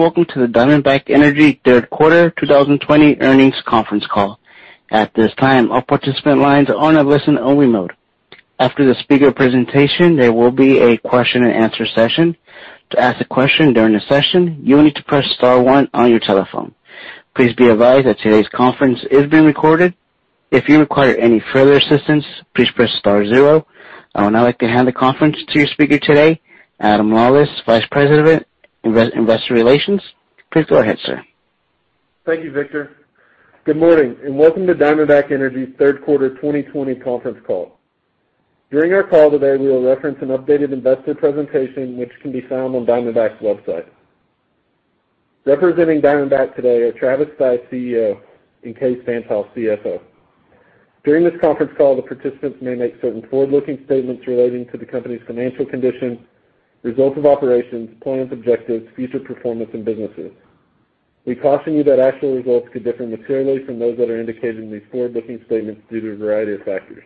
Welcome to the Diamondback Energy third quarter 2020 earnings conference call. At this time, all participant lines are on a listen-only mode. After the speaker presentation, there will be a question and answer session. To ask a question during the session, you will need to press star one on your telephone. Please be advised that today's conference is being recorded. If you require any further assistance, please press star zero. I would now like to hand the conference to your speaker today, Adam Lawlis, Vice President, Investor Relations. Please go ahead, sir. Thank you, Victor. Good morning, and welcome to Diamondback Energy's third quarter 2020 conference call. During our call today, we will reference an updated investor presentation, which can be found on Diamondback's website. Representing Diamondback today are Travis Stice, CEO, and Kaes Van't Hof, CFO. During this conference call, the participants may make certain forward-looking statements relating to the company's financial condition, results of operations, plans, objectives, future performance, and businesses. We caution you that actual results could differ materially from those that are indicated in these forward-looking statements due to a variety of factors.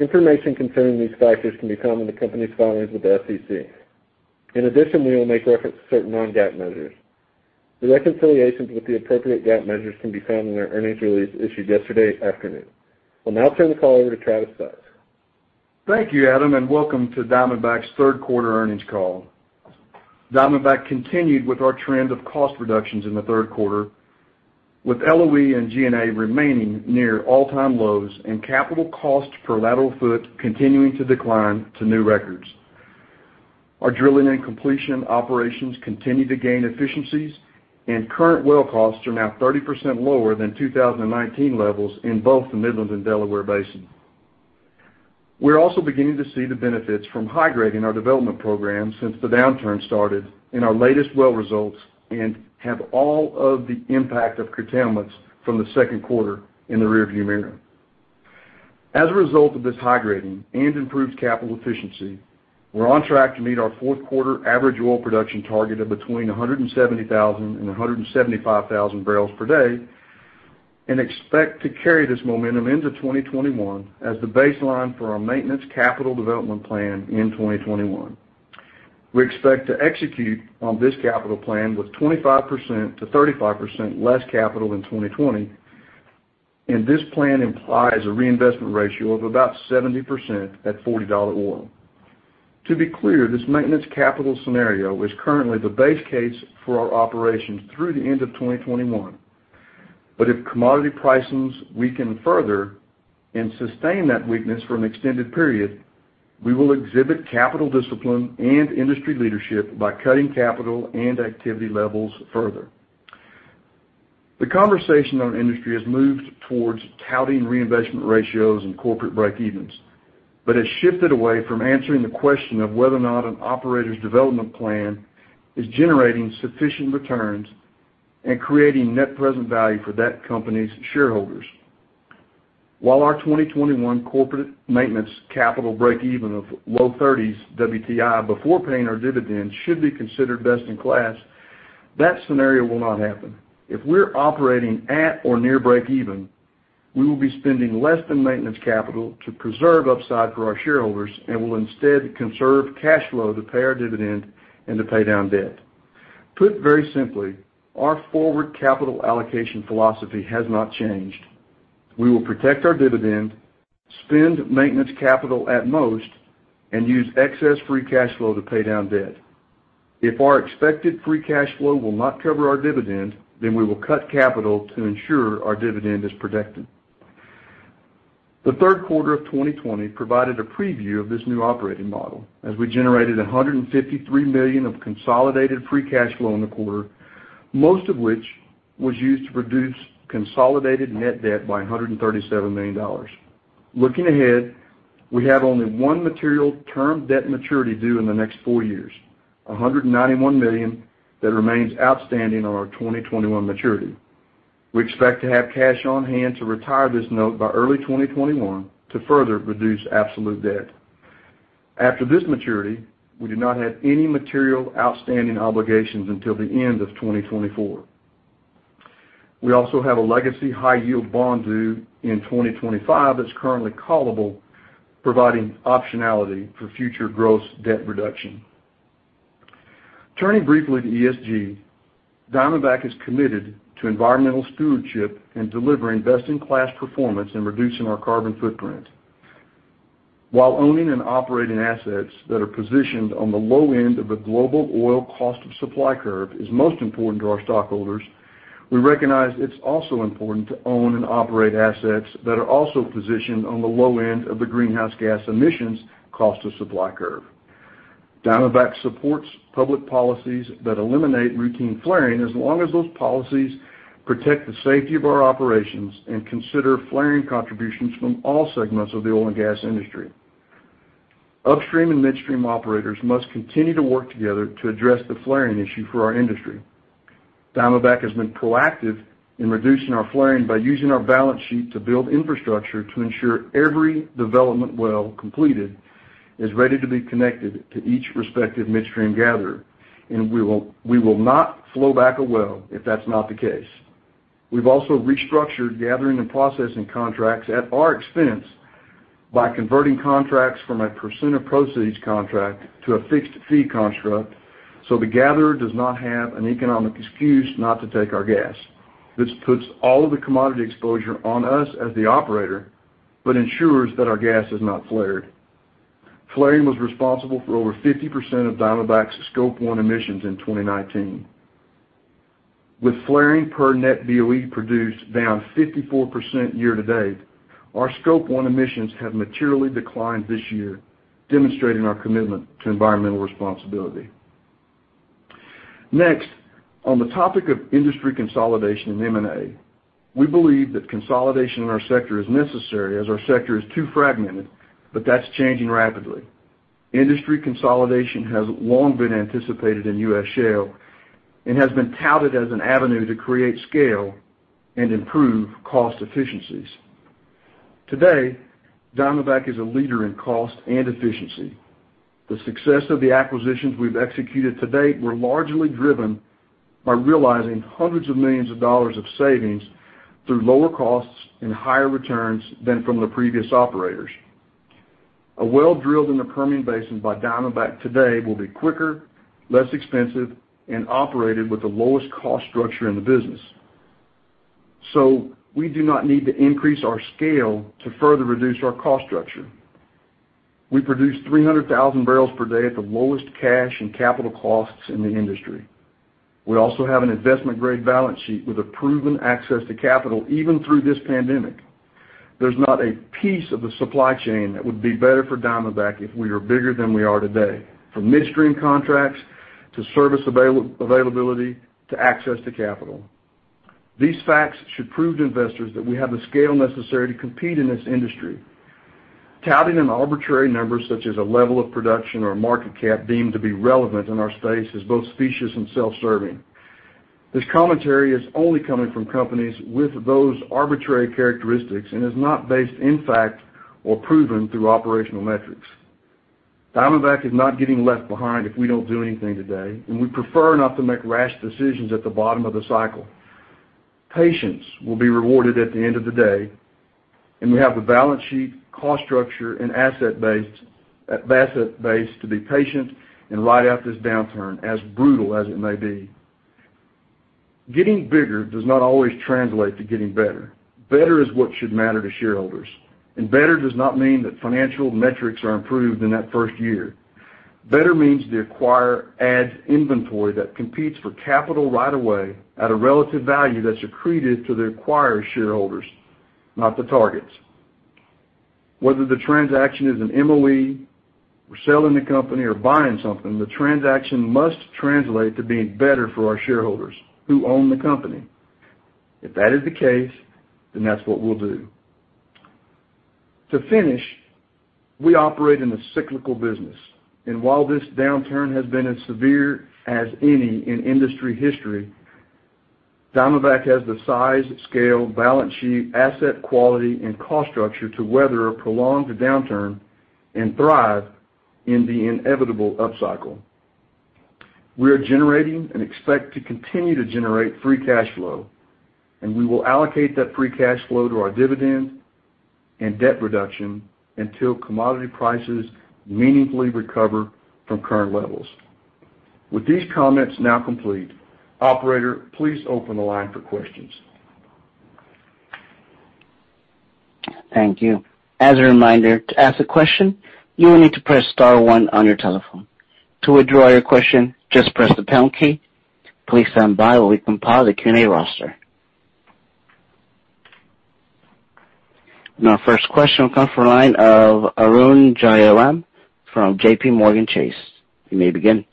Information concerning these factors can be found in the company's filings with the SEC. In addition, we will make reference to certain non-GAAP measures. The reconciliations with the appropriate GAAP measures can be found in our earnings release issued yesterday afternoon. I'll now turn the call over to Travis Stice. Thank you, Adam. Welcome to Diamondback's third quarter earnings call. Diamondback continued with our trend of cost reductions in the third quarter, with LOE and G&A remaining near all-time lows and capital cost per lateral foot continuing to decline to new records. Our drilling and completion operations continue to gain efficiencies, and current well costs are now 30% lower than 2019 levels in both the Midland and Delaware Basin. We're also beginning to see the benefits from high-grading our development program since the downturn started in our latest well results and have all of the impact of curtailments from the second quarter in the rearview mirror. As a result of this high-grading and improved capital efficiency, we're on track to meet our fourth quarter average oil production target of between 170,000 and 175,000 barrels per day and expect to carry this momentum into 2021 as the baseline for our maintenance capital development plan in 2021. We expect to execute on this capital plan with 25%-35% less capital than 2020, and this plan implies a reinvestment ratio of about 70% at $40 oil. To be clear, this maintenance capital scenario is currently the base case for our operations through the end of 2021. But if commodity pricings weaken further and sustain that weakness for an extended period, we will exhibit capital discipline and industry leadership by cutting capital and activity levels further. The conversation on industry has moved towards touting reinvestment ratios and corporate breakevens, but has shifted away from answering the question of whether or not an operator's development plan is generating sufficient returns and creating net present value for that company's shareholders. While our 2021 corporate maintenance capital breakeven of low 30s WTI before paying our dividend should be considered best in class, that scenario will not happen. If we're operating at or near breakeven, we will be spending less than maintenance capital to preserve upside for our shareholders and will instead conserve cash flow to pay our dividend and to pay down debt. Put very simply, our forward capital allocation philosophy has not changed. We will protect our dividend, spend maintenance capital at most, and use excess free cash flow to pay down debt. If our expected free cash flow will not cover our dividend, then we will cut capital to ensure our dividend is protected. The third quarter of 2020 provided a preview of this new operating model as we generated $153 million of consolidated free cash flow in the quarter, most of which was used to reduce consolidated net debt by $137 million. Looking ahead, we have only one material term debt maturity due in the next four years, $191 million that remains outstanding on our 2021 maturity. We expect to have cash on hand to retire this note by early 2021 to further reduce absolute debt. After this maturity, we do not have any material outstanding obligations until the end of 2024. We also have a legacy high-yield bond due in 2025 that's currently callable, providing optionality for future gross debt reduction. Turning briefly to ESG, Diamondback is committed to environmental stewardship and delivering best-in-class performance in reducing our carbon footprint. While owning and operating assets that are positioned on the low end of the global oil cost of supply curve is most important to our stockholders, we recognize it's also important to own and operate assets that are also positioned on the low end of the greenhouse gas emissions cost of supply curve. Diamondback supports public policies that eliminate routine flaring as long as those policies protect the safety of our operations and consider flaring contributions from all segments of the oil and gas industry. Upstream and midstream operators must continue to work together to address the flaring issue for our industry. Diamondback has been proactive in reducing our flaring by using our balance sheet to build infrastructure to ensure every development well completed is ready to be connected to each respective midstream gatherer. We will not flow back a well if that's not the case. We've also restructured gathering and processing contracts at our expense by converting contracts from a percent-of-proceeds contract to a fixed fee construct. The gatherer does not have an economic excuse not to take our gas. This puts all of the commodity exposure on us as the operator, but ensures that our gas is not flared. Flaring was responsible for over 50% of Diamondback's Scope 1 emissions in 2019. With flaring per net BOE produced down 54% year-to-date, our Scope 1 emissions have materially declined this year, demonstrating our commitment to environmental responsibility. On the topic of industry consolidation and M&A, we believe that consolidation in our sector is necessary as our sector is too fragmented, but that's changing rapidly. Industry consolidation has long been anticipated in U.S. shale and has been touted as an avenue to create scale and improve cost efficiencies. Today, Diamondback is a leader in cost and efficiency. The success of the acquisitions we've executed to date were largely driven by realizing hundreds of millions of dollars of savings through lower costs and higher returns than from the previous operators. A well drilled in the Permian Basin by Diamondback today will be quicker, less expensive, and operated with the lowest cost structure in the business. We do not need to increase our scale to further reduce our cost structure. We produce 300,000 barrels per day at the lowest cash and capital costs in the industry. We also have an investment-grade balance sheet with a proven access to capital, even through this pandemic. There's not a piece of the supply chain that would be better for Diamondback if we were bigger than we are today, from midstream contracts to service availability, to access to capital. These facts should prove to investors that we have the scale necessary to compete in this industry. Touting an arbitrary number such as a level of production or market cap deemed to be relevant in our space is both specious and self-serving. This commentary is only coming from companies with those arbitrary characteristics and is not based in fact or proven through operational metrics. Diamondback is not getting left behind if we don't do anything today. We prefer not to make rash decisions at the bottom of the cycle. Patience will be rewarded at the end of the day, and we have the balance sheet, cost structure, and asset base to be patient and ride out this downturn, as brutal as it may be. Getting bigger does not always translate to getting better. Better is what should matter to shareholders, and better does not mean that financial metrics are improved in that first year. Better means the acquirer adds inventory that competes for capital right away at a relative value that's accreted to the acquirer's shareholders, not the targets. Whether the transaction is an MOE or selling the company or buying something, the transaction must translate to being better for our shareholders who own the company. If that is the case, then that's what we'll do. To finish, we operate in a cyclical business, and while this downturn has been as severe as any in industry history, Diamondback has the size, scale, balance sheet, asset quality, and cost structure to weather a prolonged downturn and thrive in the inevitable upcycle. We are generating and expect to continue to generate free cash flow, and we will allocate that free cash flow to our dividend and debt reduction until commodity prices meaningfully recover from current levels. With these comments now complete, operator, please open the line for questions. Thank you. As a reminder, to ask a question, you will need to press star one on your telephone. To withdraw your question, just press the pound key. Please stand by while we compile the Q&A roster. Our first question will come from the line of Arun Jayaram from JPMorgan Chase. You may begin.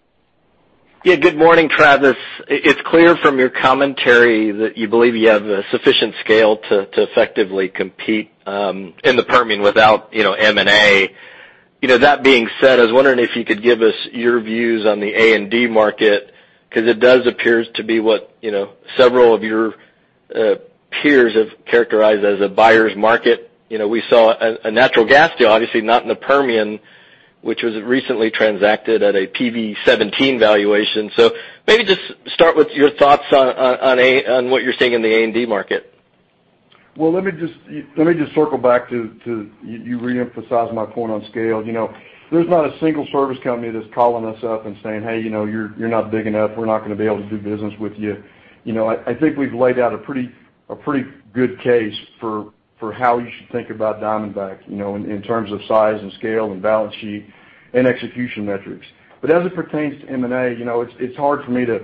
Good morning, Travis. It's clear from your commentary that you believe you have a sufficient scale to effectively compete in the Permian without M&A. That being said, I was wondering if you could give us your views on the A&D market, because it does appear to be what several of your peers have characterized as a buyer's market. We saw a natural gas deal, obviously not in the Permian, which was recently transacted at a PV-17 valuation. Maybe just start with your thoughts on what you're seeing in the A&D market. Well, let me just circle back to you re-emphasizing my point on scale. There's not a single service company that's calling us up and saying, "Hey, you're not big enough. We're not going to be able to do business with you." I think we've laid out a pretty good case for how you should think about Diamondback, in terms of size and scale and balance sheet and execution metrics. As it pertains to M&A, it's hard for me to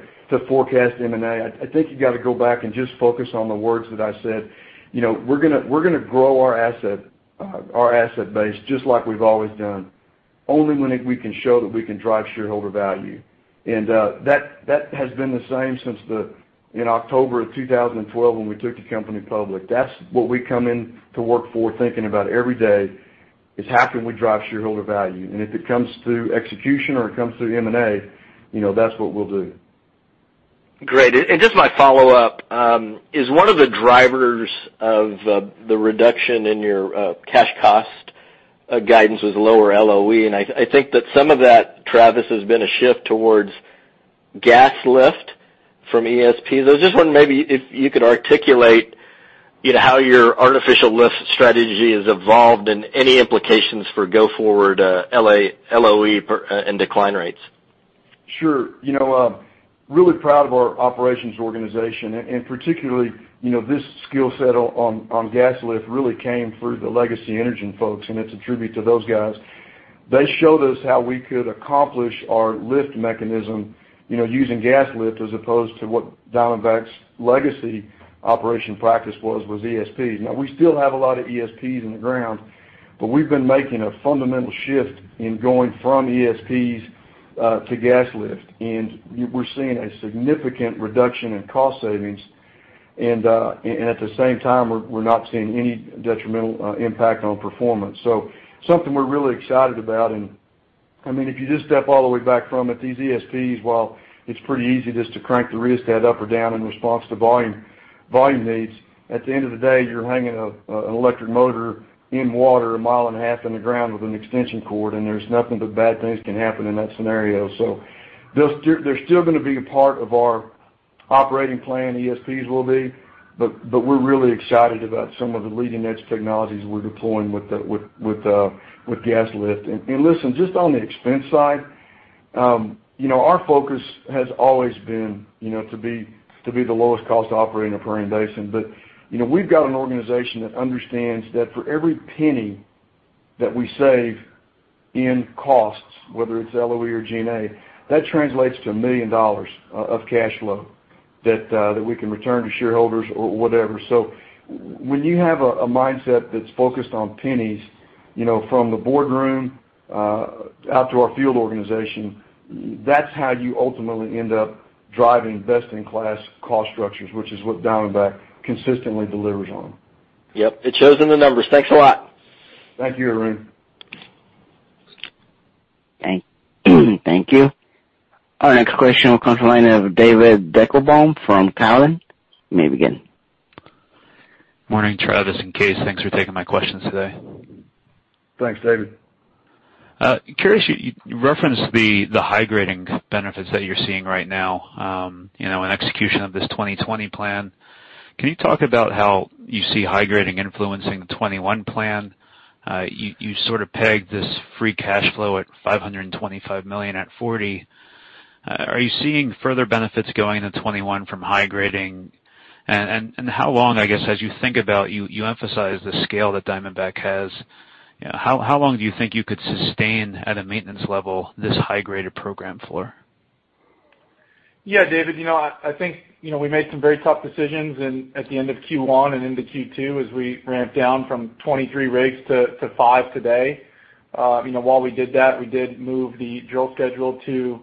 forecast M&A. I think you got to go back and just focus on the words that I said. We're going to grow our asset base just like we've always done, only when we can show that we can drive shareholder value. That has been the same since in October of 2012 when we took the company public. That's what we come in to work forward thinking about every day, is how can we drive shareholder value? If it comes through execution or it comes through M&A, that's what we'll do. Great. Just my follow-up is one of the drivers of the reduction in your cash cost guidance was lower LOE, and I think that some of that, Travis, has been a shift towards gas lift from ESPs. I was just wondering maybe if you could articulate how your artificial lift strategy has evolved and any implications for go-forward LOE and decline rates. Sure. Really proud of our operations organization. Particularly, this skill set on gas lift really came through the legacy Energen folks, and it's a tribute to those guys. They showed us how we could accomplish our lift mechanism using gas lift as opposed to what Diamondback's legacy operation practice was ESP. Now we still have a lot of ESPs in the ground. We've been making a fundamental shift in going from ESPs to gas lift. We're seeing a significant reduction in cost savings, and at the same time, we're not seeing any detrimental impact on performance. Something we're really excited about, and if you just step all the way back from it, these ESPs, while it's pretty easy just to crank the wrist head up or down in response to volume needs, at the end of the day, you're hanging an electric motor in water a mile and a half in the ground with an extension cord, and there's nothing but bad things can happen in that scenario. They're still going to be a part of our operating plan, ESPs will be, but we're really excited about some of the leading-edge technologies we're deploying with gas lift. Listen, just on the expense side, our focus has always been to be the lowest cost operator in the Permian Basin. We've got an organization that understands that for every penny that we save in costs, whether it's LOE or G&A, that translates to $1 million of cash flow that we can return to shareholders or whatever. When you have a mindset that's focused on pennies, from the boardroom out to our field organization, that's how you ultimately end up driving best-in-class cost structures, which is what Diamondback consistently delivers on. Yep. It shows in the numbers. Thanks a lot. Thank you, Arun. Thank you. Our next question will come from the line of David Deckelbaum from Cowen. You may begin. Morning, Travis and Kaes. Thanks for taking my questions today. Thanks, David. Curious, you referenced the high grading benefits that you're seeing right now in execution of this 2020 plan. Can you talk about how you see high grading influencing the 2021 plan? You sort of pegged this free cash flow at $525 million at $40. Are you seeing further benefits going into 2021 from high grading? How long, I guess, as you think about, you emphasize the scale that Diamondback has. How long do you think you could sustain, at a maintenance level, this high-grader program for? Yeah, David. I think we made some very tough decisions at the end of Q1 and into Q2 as we ramped down from 23 rigs to five today. While we did that, we did move the drill schedule to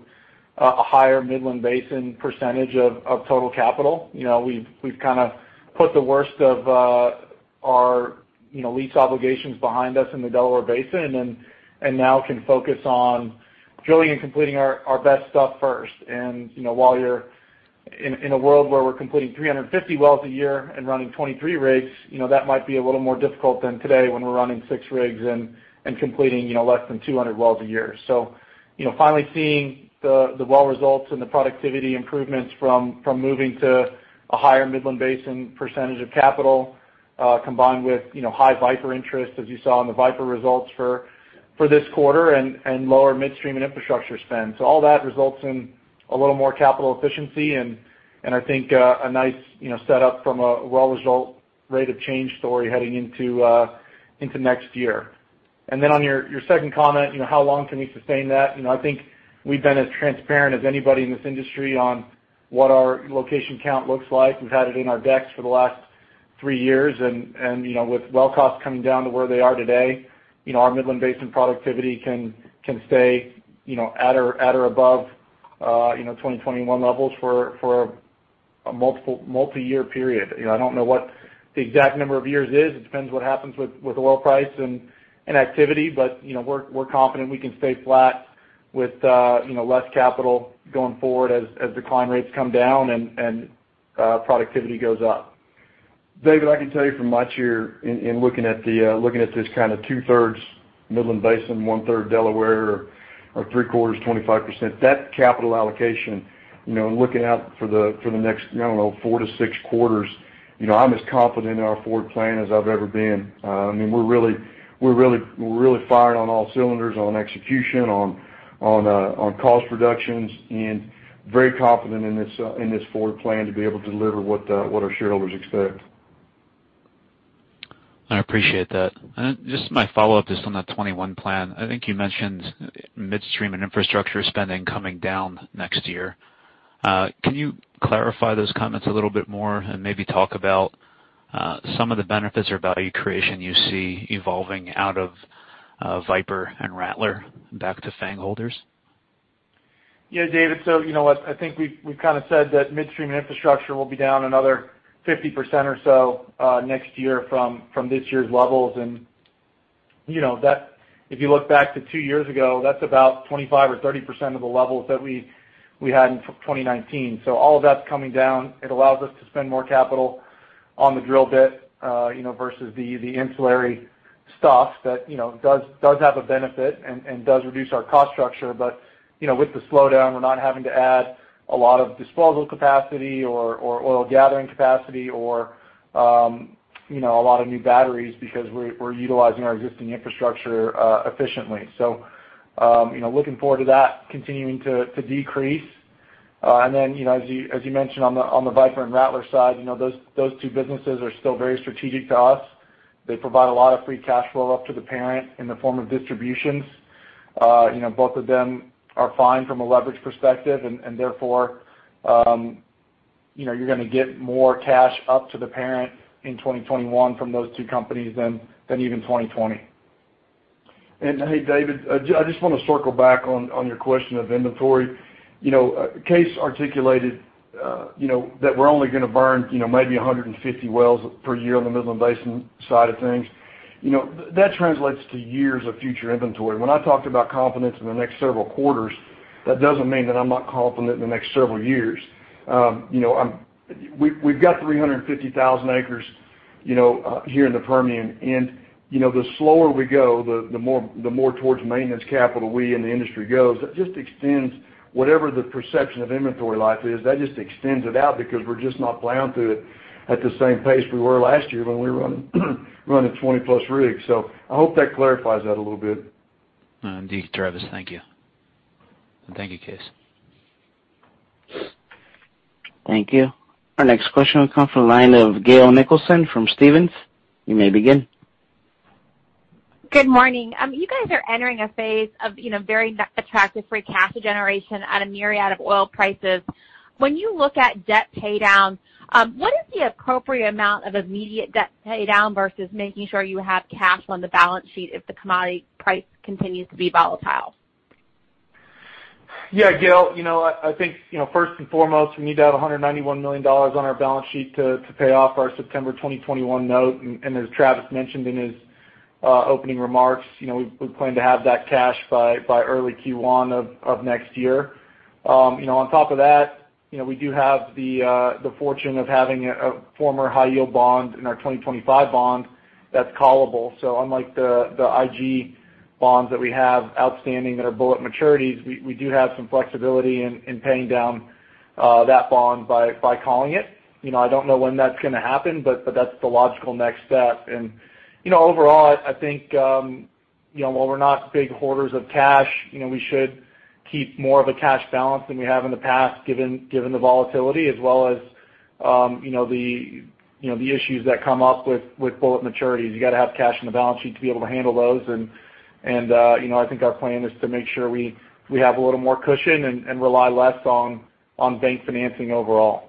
a higher Midland Basin percentage of total capital. We've kind of put the worst of our lease obligations behind us in the Delaware Basin, and now can focus on drilling and completing our best stuff first. While you're in a world where we're completing 350 wells a year and running 23 rigs, that might be a little more difficult than today when we're running six rigs and completing less than 200 wells a year. Finally seeing the well results and the productivity improvements from moving to a higher Midland Basin percentage of capital, combined with high Viper interest as you saw in the Viper results for this quarter, and lower midstream and infrastructure spend. All that results in a little more capital efficiency, and I think a nice setup from a well result rate of change story heading into next year. On your second comment, how long can we sustain that? I think we've been as transparent as anybody in this industry on what our location count looks like. We've had it in our decks for the last three years, and with well costs coming down to where they are today, our Midland Basin productivity can stay at or above 2021 levels for a multi-year period. I don't know what the exact number of years is. It depends what happens with the oil price and activity. We're confident we can stay flat with less capital going forward as decline rates come down and productivity goes up. David, I can tell you from my chair in looking at this kind of 2/3 Midland Basin, 1/3 Delaware or 0.75, 25%. That capital allocation, looking out for the next, I don't know, four to six quarters, I'm as confident in our forward plan as I've ever been. We're really firing on all cylinders on execution, on cost reductions, and very confident in this forward plan to be able to deliver what our shareholders expect. I appreciate that. Just my follow-up just on that 2021 plan. I think you mentioned midstream and infrastructure spending coming down next year. Can you clarify those comments a little bit more and maybe talk about some of the benefits or value creation you see evolving out of Viper and Rattler back to FANG holders? Yeah, David. You know what? I think we've said that midstream infrastructure will be down another 50% or so next year from this year's levels. If you look back to two years ago, that's about 25% or 30% of the levels that we had in 2019. All of that's coming down. It allows us to spend more capital on the drill bit, versus the ancillary stuff that does have a benefit and does reduce our cost structure. With the slowdown, we're not having to add a lot of disposal capacity or oil gathering capacity or a lot of new batteries because we're utilizing our existing infrastructure efficiently. Looking forward to that continuing to decrease. Then, as you mentioned on the Viper and Rattler side, those two businesses are still very strategic to us. They provide a lot of free cash flow up to the parent in the form of distributions. Both of them are fine from a leverage perspective, therefore, you're going to get more cash up to the parent in 2021 from those two companies than even 2020. Hey, David, I just want to circle back on your question of inventory. Kaes articulated that we're only going to burn maybe 150 wells per year on the Midland Basin side of things. That translates to years of future inventory. When I talked about confidence in the next several quarters, that doesn't mean that I'm not confident in the next several years. We've got 350,000 acres here in the Permian, and the slower we go, the more towards maintenance capital we and the industry goes. That just extends whatever the perception of inventory life is. That just extends it out because we're just not plowing through it at the same pace we were last year when we were running 20+ rigs. I hope that clarifies that a little bit. Indeed, Travis, thank you. Thank you, Kaes. Thank you. Our next question will come from the line of Gail Nicholson from Stephens. You may begin. Good morning. You guys are entering a phase of very attractive free cash generation at a myriad of oil prices. When you look at debt paydown, what is the appropriate amount of immediate debt paydown versus making sure you have cash on the balance sheet if the commodity price continues to be volatile? Yeah, Gail. I think first and foremost, we need to have $191 million on our balance sheet to pay off our September 2021 note. As Travis mentioned in his opening remarks, we plan to have that cash by early Q1 of next year. On top of that, we do have the fortune of having a former high-yield bond in our 2025 bond that's callable. Unlike the IG bonds that we have outstanding that are bullet maturities, we do have some flexibility in paying down that bond by calling it. I don't know when that's going to happen, but that's the logical next step. Overall, I think while we're not big hoarders of cash, we should keep more of a cash balance than we have in the past, given the volatility as well as the issues that come up with bullet maturities. You got to have cash on the balance sheet to be able to handle those, and I think our plan is to make sure we have a little more cushion and rely less on bank financing overall.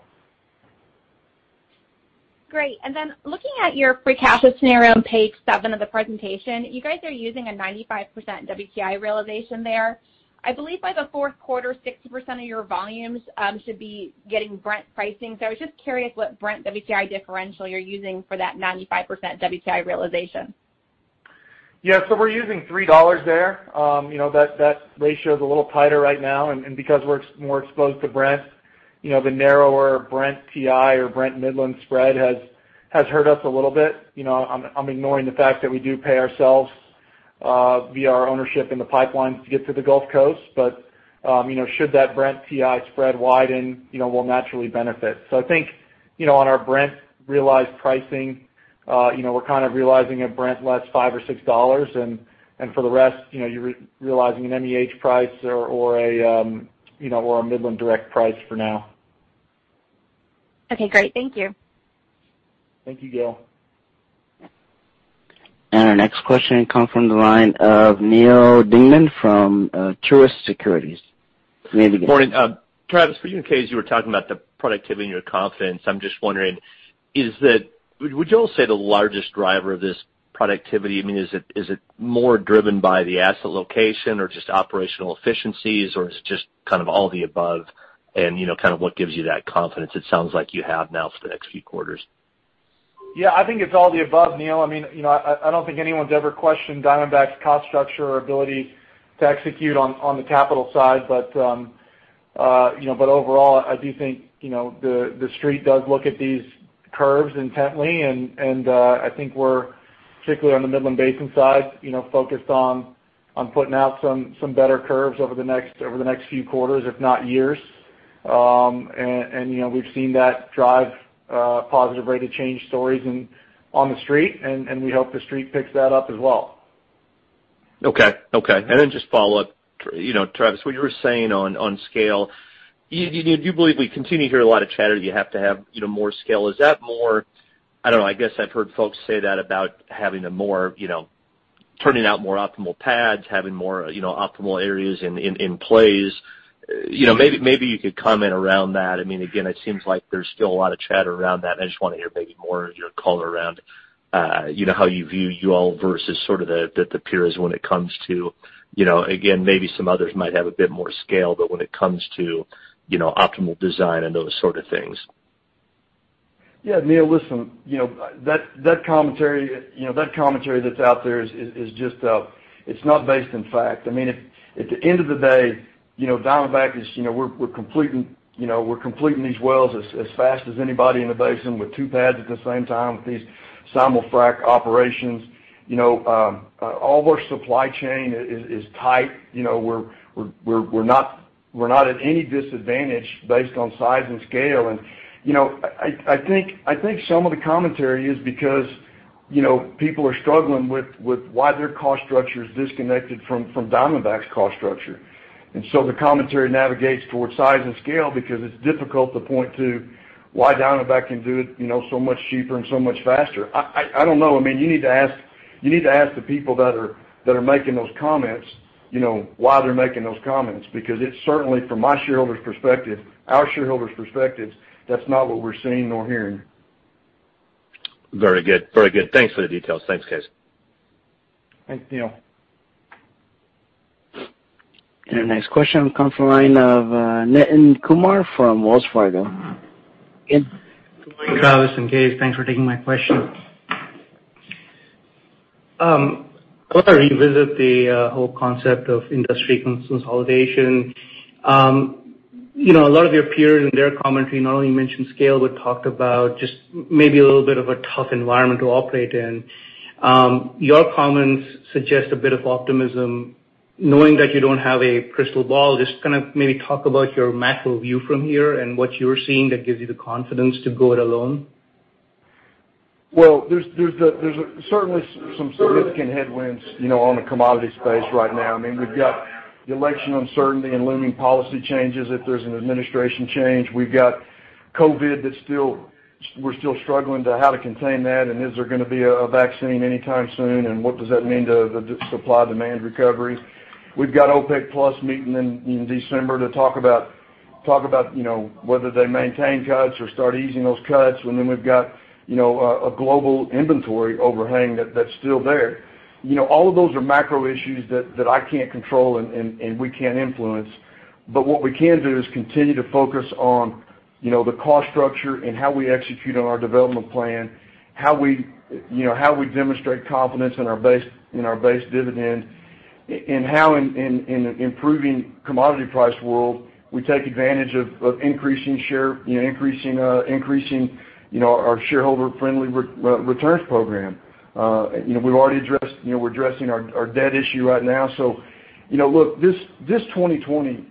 Great. Looking at your free cash flow scenario on page seven of the presentation, you guys are using a 95% WTI realization there. I believe by the fourth quarter, 60% of your volumes should be getting Brent pricing. I was just curious what Brent-WTI differential you're using for that 95% WTI realization. Yeah. We're using $3 there. That ratio is a little tighter right now, and because we're more exposed to Brent, the narrower Brent-WTI or Brent Midland spread has hurt us a little bit. I'm ignoring the fact that we do pay ourselves via our ownership in the pipelines to get to the Gulf Coast. Should that Brent-WTI spread widen, we'll naturally benefit. I think on our Brent realized pricing, we're kind of realizing a Brent less $5 or $6. For the rest, you're realizing an MEH price or a Midland direct price for now. Okay, great. Thank you. Thank you, Gail. Our next question comes from the line of Neal Dingmann from Truist Securities. You may begin. Morning. Travis, for you and Kaes, you were talking about the productivity and your confidence. I'm just wondering, would you all say the largest driver of this productivity, is it more driven by the asset location or just operational efficiencies, or is it just kind of all the above and kind of what gives you that confidence it sounds like you have now for the next few quarters? Yeah, I think it's all the above, Neal. I don't think anyone's ever questioned Diamondback's cost structure or ability to execute on the capital side. Overall, I do think the Street does look at these curves intently, and I think we're, particularly on the Midland Basin side, focused on putting out some better curves over the next few quarters, if not years. We've seen that drive positive rate of change stories on the Street, and we hope the Street picks that up as well. Okay. Just follow up. Travis, what you were saying on scale, do you believe we continue to hear a lot of chatter that you have to have more scale? Is that more, I don't know? I guess I've heard folks say that about turning out more optimal pads, having more optimal areas in plays. Maybe you could comment around that. It seems like there's still a lot of chatter around that, I just want to hear maybe more of your color around how you view you all versus sort of the peers when it comes to, again, maybe some others might have a bit more scale, but when it comes to optimal design and those sort of things. Yeah. Neal, listen. That commentary that's out there is just out. It's not based on fact. At the end of the day, Diamondback, we're completing these wells as fast as anybody in the basin with two pads at the same time with these simul-frac operations. All of our supply chain is tight. We're not at any disadvantage based on size and scale. I think some of the commentary is because people are struggling with why their cost structure is disconnected from Diamondback's cost structure. The commentary navigates towards size and scale because it's difficult to point to why Diamondback can do it so much cheaper and so much faster. I don't know. You need to ask the people that are making those comments why they're making those comments, because it's certainly, from our shareholders' perspectives, that's not what we're seeing nor hearing. Very good. Thanks for the details. Thanks, guys. Thanks, Neal. Our next question comes from the line of Nitin Kumar from Wells Fargo. Nitin? Good morning, Travis and Kaes. Thanks for taking my question. I want to revisit the whole concept of industry consolidation. A lot of your peers in their commentary not only mentioned scale, but talked about just maybe a little bit of a tough environment to operate in. Your comments suggest a bit of optimism. Knowing that you don't have a crystal ball, just kind of maybe talk about your macro view from here and what you're seeing that gives you the confidence to go it alone. There's certainly some significant headwinds on the commodity space right now. We've got the election uncertainty and looming policy changes if there's an administration change. We've got COVID, we're still struggling to how to contain that, and is there going to be a vaccine anytime soon, and what does that mean to the supply-demand recovery? We've got OPEC+ meeting in December to talk about whether they maintain cuts or start easing those cuts. We've got a global inventory overhang that's still there. All of those are macro issues that I can't control and we can't influence. What we can do is continue to focus on the cost structure and how we execute on our development plan, how we demonstrate confidence in our base dividend, and how in an improving commodity price world, we take advantage of increasing our shareholder-friendly returns program. We're addressing our debt issue right now. Look, this 2020,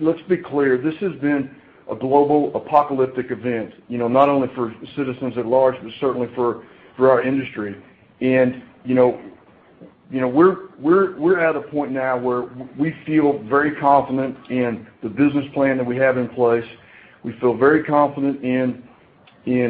let's be clear, this has been a global apocalyptic event. Not only for citizens at large, but certainly for our industry. We're at a point now where we feel very confident in the business plan that we have in place. We feel very confident in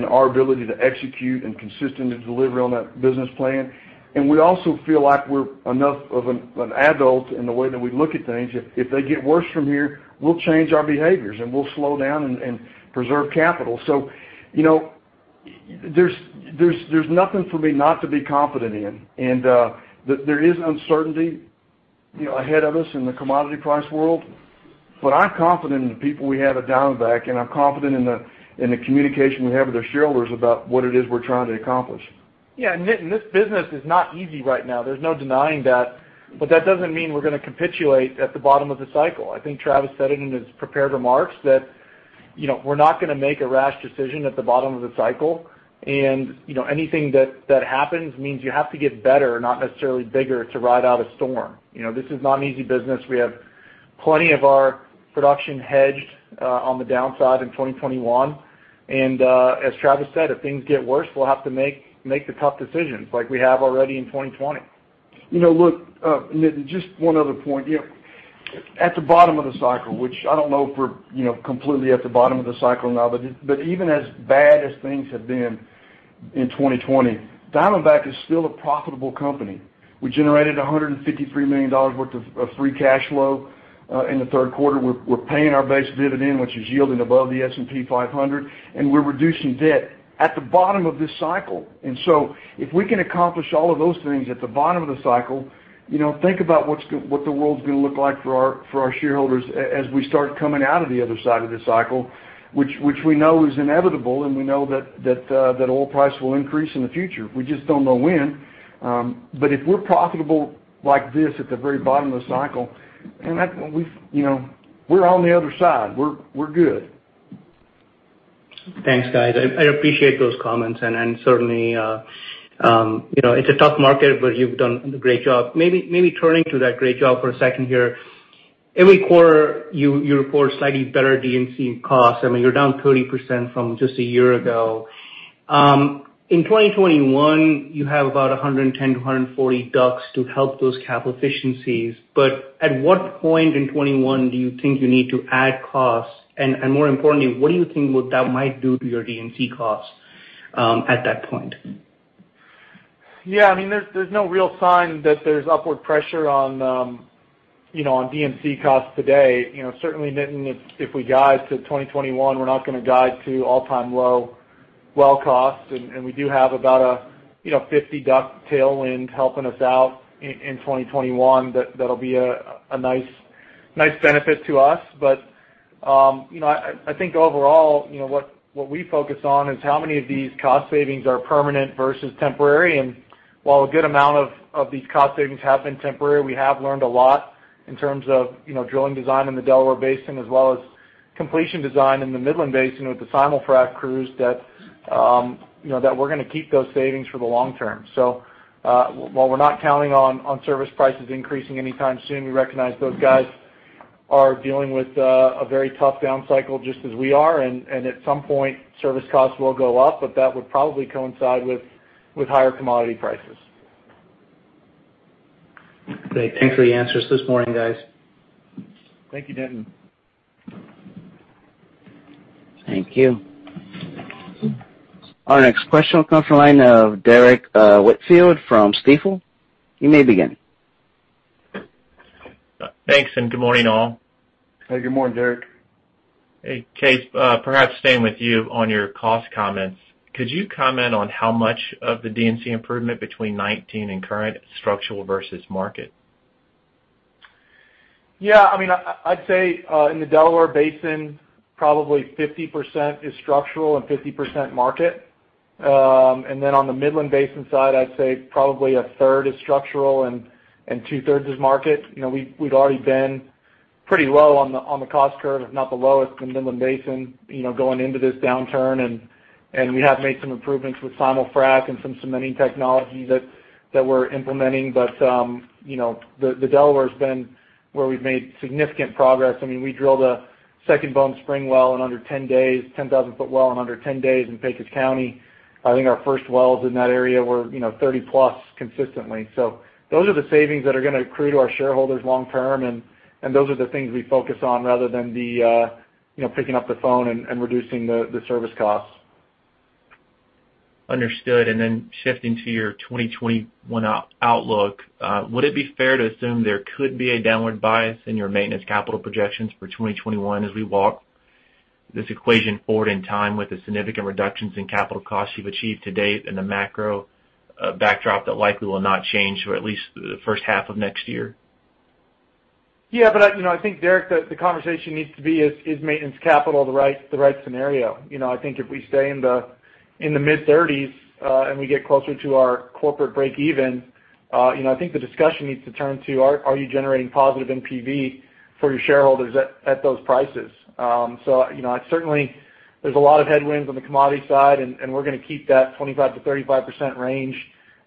our ability to execute and consistently deliver on that business plan. We also feel like we're enough of an adult in the way that we look at things. If they get worse from here, we'll change our behaviors, and we'll slow down and preserve capital. There's nothing for me not to be confident in. There is uncertainty ahead of us in the commodity price world, but I'm confident in the people we have at Diamondback, and I'm confident in the communication we have with our shareholders about what it is we're trying to accomplish. Yeah. Nitin, this business is not easy right now. There's no denying that doesn't mean we're going to capitulate at the bottom of the cycle. I think Travis said it in his prepared remarks that we're not going to make a rash decision at the bottom of the cycle. Anything that happens means you have to get better, not necessarily bigger, to ride out a storm. This is not an easy business. We have plenty of our production hedged on the downside in 2021. As Travis said, if things get worse, we'll have to make the tough decisions like we have already in 2020. Look Nitin, just one other point. At the bottom of the cycle, which I don't know if we're completely at the bottom of the cycle now, but even as bad as things have been in 2020, Diamondback is still a profitable company. We generated $153 million worth of free cash flow in the third quarter. We're paying our base dividend, which is yielding above the S&P 500, and we're reducing debt at the bottom of this cycle. If we can accomplish all of those things at the bottom of the cycle, think about what the world's going to look like for our shareholders as we start coming out of the other side of this cycle, which we know is inevitable, and we know that oil price will increase in the future. We just don't know when. If we're profitable like this at the very bottom of the cycle, we're on the other side. We're good. Thanks, guys. I appreciate those comments. Certainly, it's a tough market, but you've done a great job. Maybe turning to that great job for a second here. Every quarter, you report slightly better D&C costs. You're down 30% from just a year ago. In 2021, you have about 110 to 140 DUCs to help those capital efficiencies. At what point in 2021 do you think you need to add costs? More importantly, what do you think that might do to your D&C costs at that point? Yeah. There's no real sign that there's upward pressure on D&C costs today. Certainly Nitin, if we guide to 2021, we're not going to guide to all-time low well costs. We do have about a 50 DUC tailwind helping us out in 2021. That'll be a nice benefit to us. I think overall, what we focus on is how many of these cost savings are permanent versus temporary. While a good amount of these cost savings have been temporary, we have learned a lot in terms of drilling design in the Delaware Basin, as well as completion design in the Midland Basin with the simul-frac crews that we're going to keep those savings for the long term. While we're not counting on service prices increasing anytime soon, we recognize those guys are dealing with a very tough down cycle just as we are and at some point, service costs will go up, but that would probably coincide with higher commodity prices. Great. Thanks for the answers this morning, guys. Thank you, Nitin. Thank you. Our next question will come from the line of Derrick Whitfield from Stifel. You may begin. Thanks, and good morning, all. Hey. Good morning, Derrick. Hey, Kaes, perhaps staying with you on your cost comments. Could you comment on how much of the D&C improvement between 2019 and current is structural versus market? I'd say, in the Delaware Basin, probably 50% is structural and 50% market. On the Midland Basin side, I'd say probably 1/3 is structural and 2/3 is market. We'd already been pretty low on the cost curve, if not the lowest in the Midland Basin, going into this downturn, and we have made some improvements with simul-frac and some cementing technology that we're implementing. The Delaware's been where we've made significant progress. We drilled a second Bone Spring well in under 10 days, 10,000 ft well in under 10 days in Pecos County. I think our first wells in that area were 30+ consistently. Those are the savings that are going to accrue to our shareholders long term, and those are the things we focus on rather than the picking up the phone and reducing the service costs. Understood. Then shifting to your 2021 outlook, would it be fair to assume there could be a downward bias in your maintenance capital projections for 2021 as we walk this equation forward in time with the significant reductions in capital costs you've achieved to date and the macro backdrop that likely will not change for at least the first half of next year? I think, Derrick, the conversation needs to be is maintenance capital the right scenario? I think if we stay in the mid-30s, and we get closer to our corporate break even, I think the discussion needs to turn to are you generating positive NPV for your shareholders at those prices? Certainly, there's a lot of headwinds on the commodity side, and we're going to keep that 25%-35% range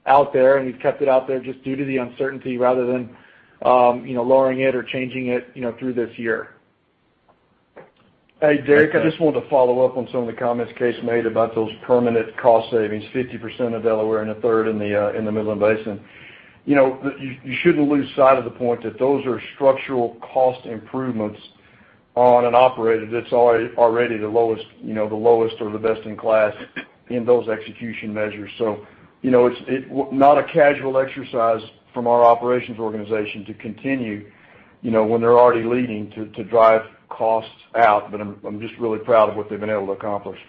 out there, and we've kept it out there just due to the uncertainty rather than lowering it or changing it through this year. Hey, Derrick, I just wanted to follow up on some of the comments Kaes made about those permanent cost savings, 50% in Delaware and 1/3 in the Midland Basin. You shouldn't lose sight of the point that those are structural cost improvements on an operator that's already the lowest or the best in class in those execution measures. It's not a casual exercise from our operations organization to continue, when they're already leading, to drive costs out. I'm just really proud of what they've been able to accomplish.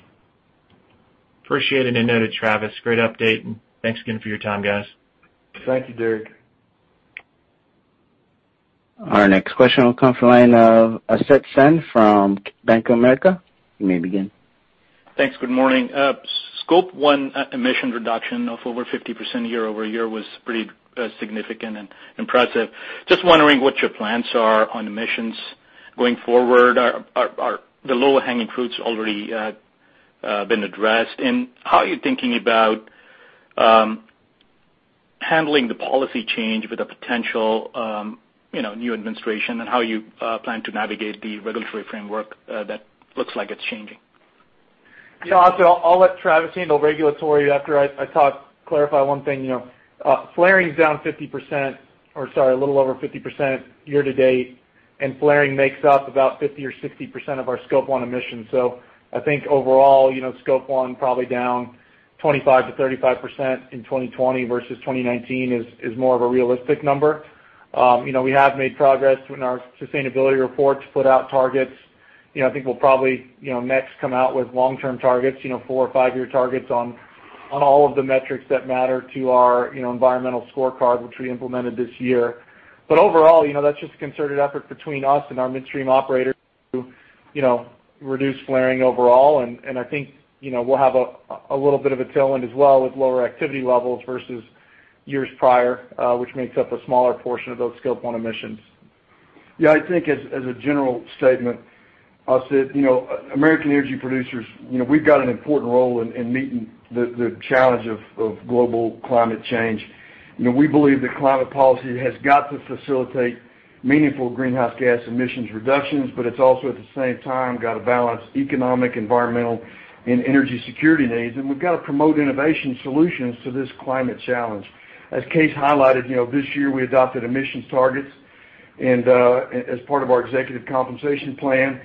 Appreciate it and noted, Travis. Great update, and thanks again for your time, guys. Thank you, Derrick. Our next question will come from the line of Asit Sen from Bank of America. You may begin. Thanks. Good morning. Scope 1 emission reduction of over 50% year-over-year was pretty significant and impressive. Just wondering what your plans are on emissions going forward. Are the lower-hanging fruits already been addressed? How are you thinking about handling the policy change with a potential new administration and how you plan to navigate the regulatory framework that looks like it's changing? Yeah. Asit, I'll let Travis handle regulatory after I clarify one thing. Flaring is down 50%, or sorry, a little over 50% year to date, and flaring makes up about 50% or 60% of our Scope 1 emissions. I think overall, Scope 1 probably down 25%-35% in 2020 versus 2019 is more of a realistic number. We have made progress in our sustainability report to put out targets. I think we'll probably next come out with long-term targets, four or five-year targets on all of the metrics that matter to our environmental scorecard, which we implemented this year. Overall, that's just a concerted effort between us and our midstream operators to reduce flaring overall, and I think we'll have a little bit of a tailwind as well with lower activity levels versus years prior, which makes up a smaller portion of those Scope 1 emissions. Yeah, I think as a general statement, Asit, American energy producers, we've got an important role in meeting the challenge of global climate change. We believe that climate policy has got to facilitate meaningful greenhouse gas emissions reductions, but it's also, at the same time, got to balance economic, environmental, and energy security needs. We've got to promote innovation solutions to this climate challenge. As Kaes highlighted, this year we adopted emissions targets and as part of our executive compensation plan.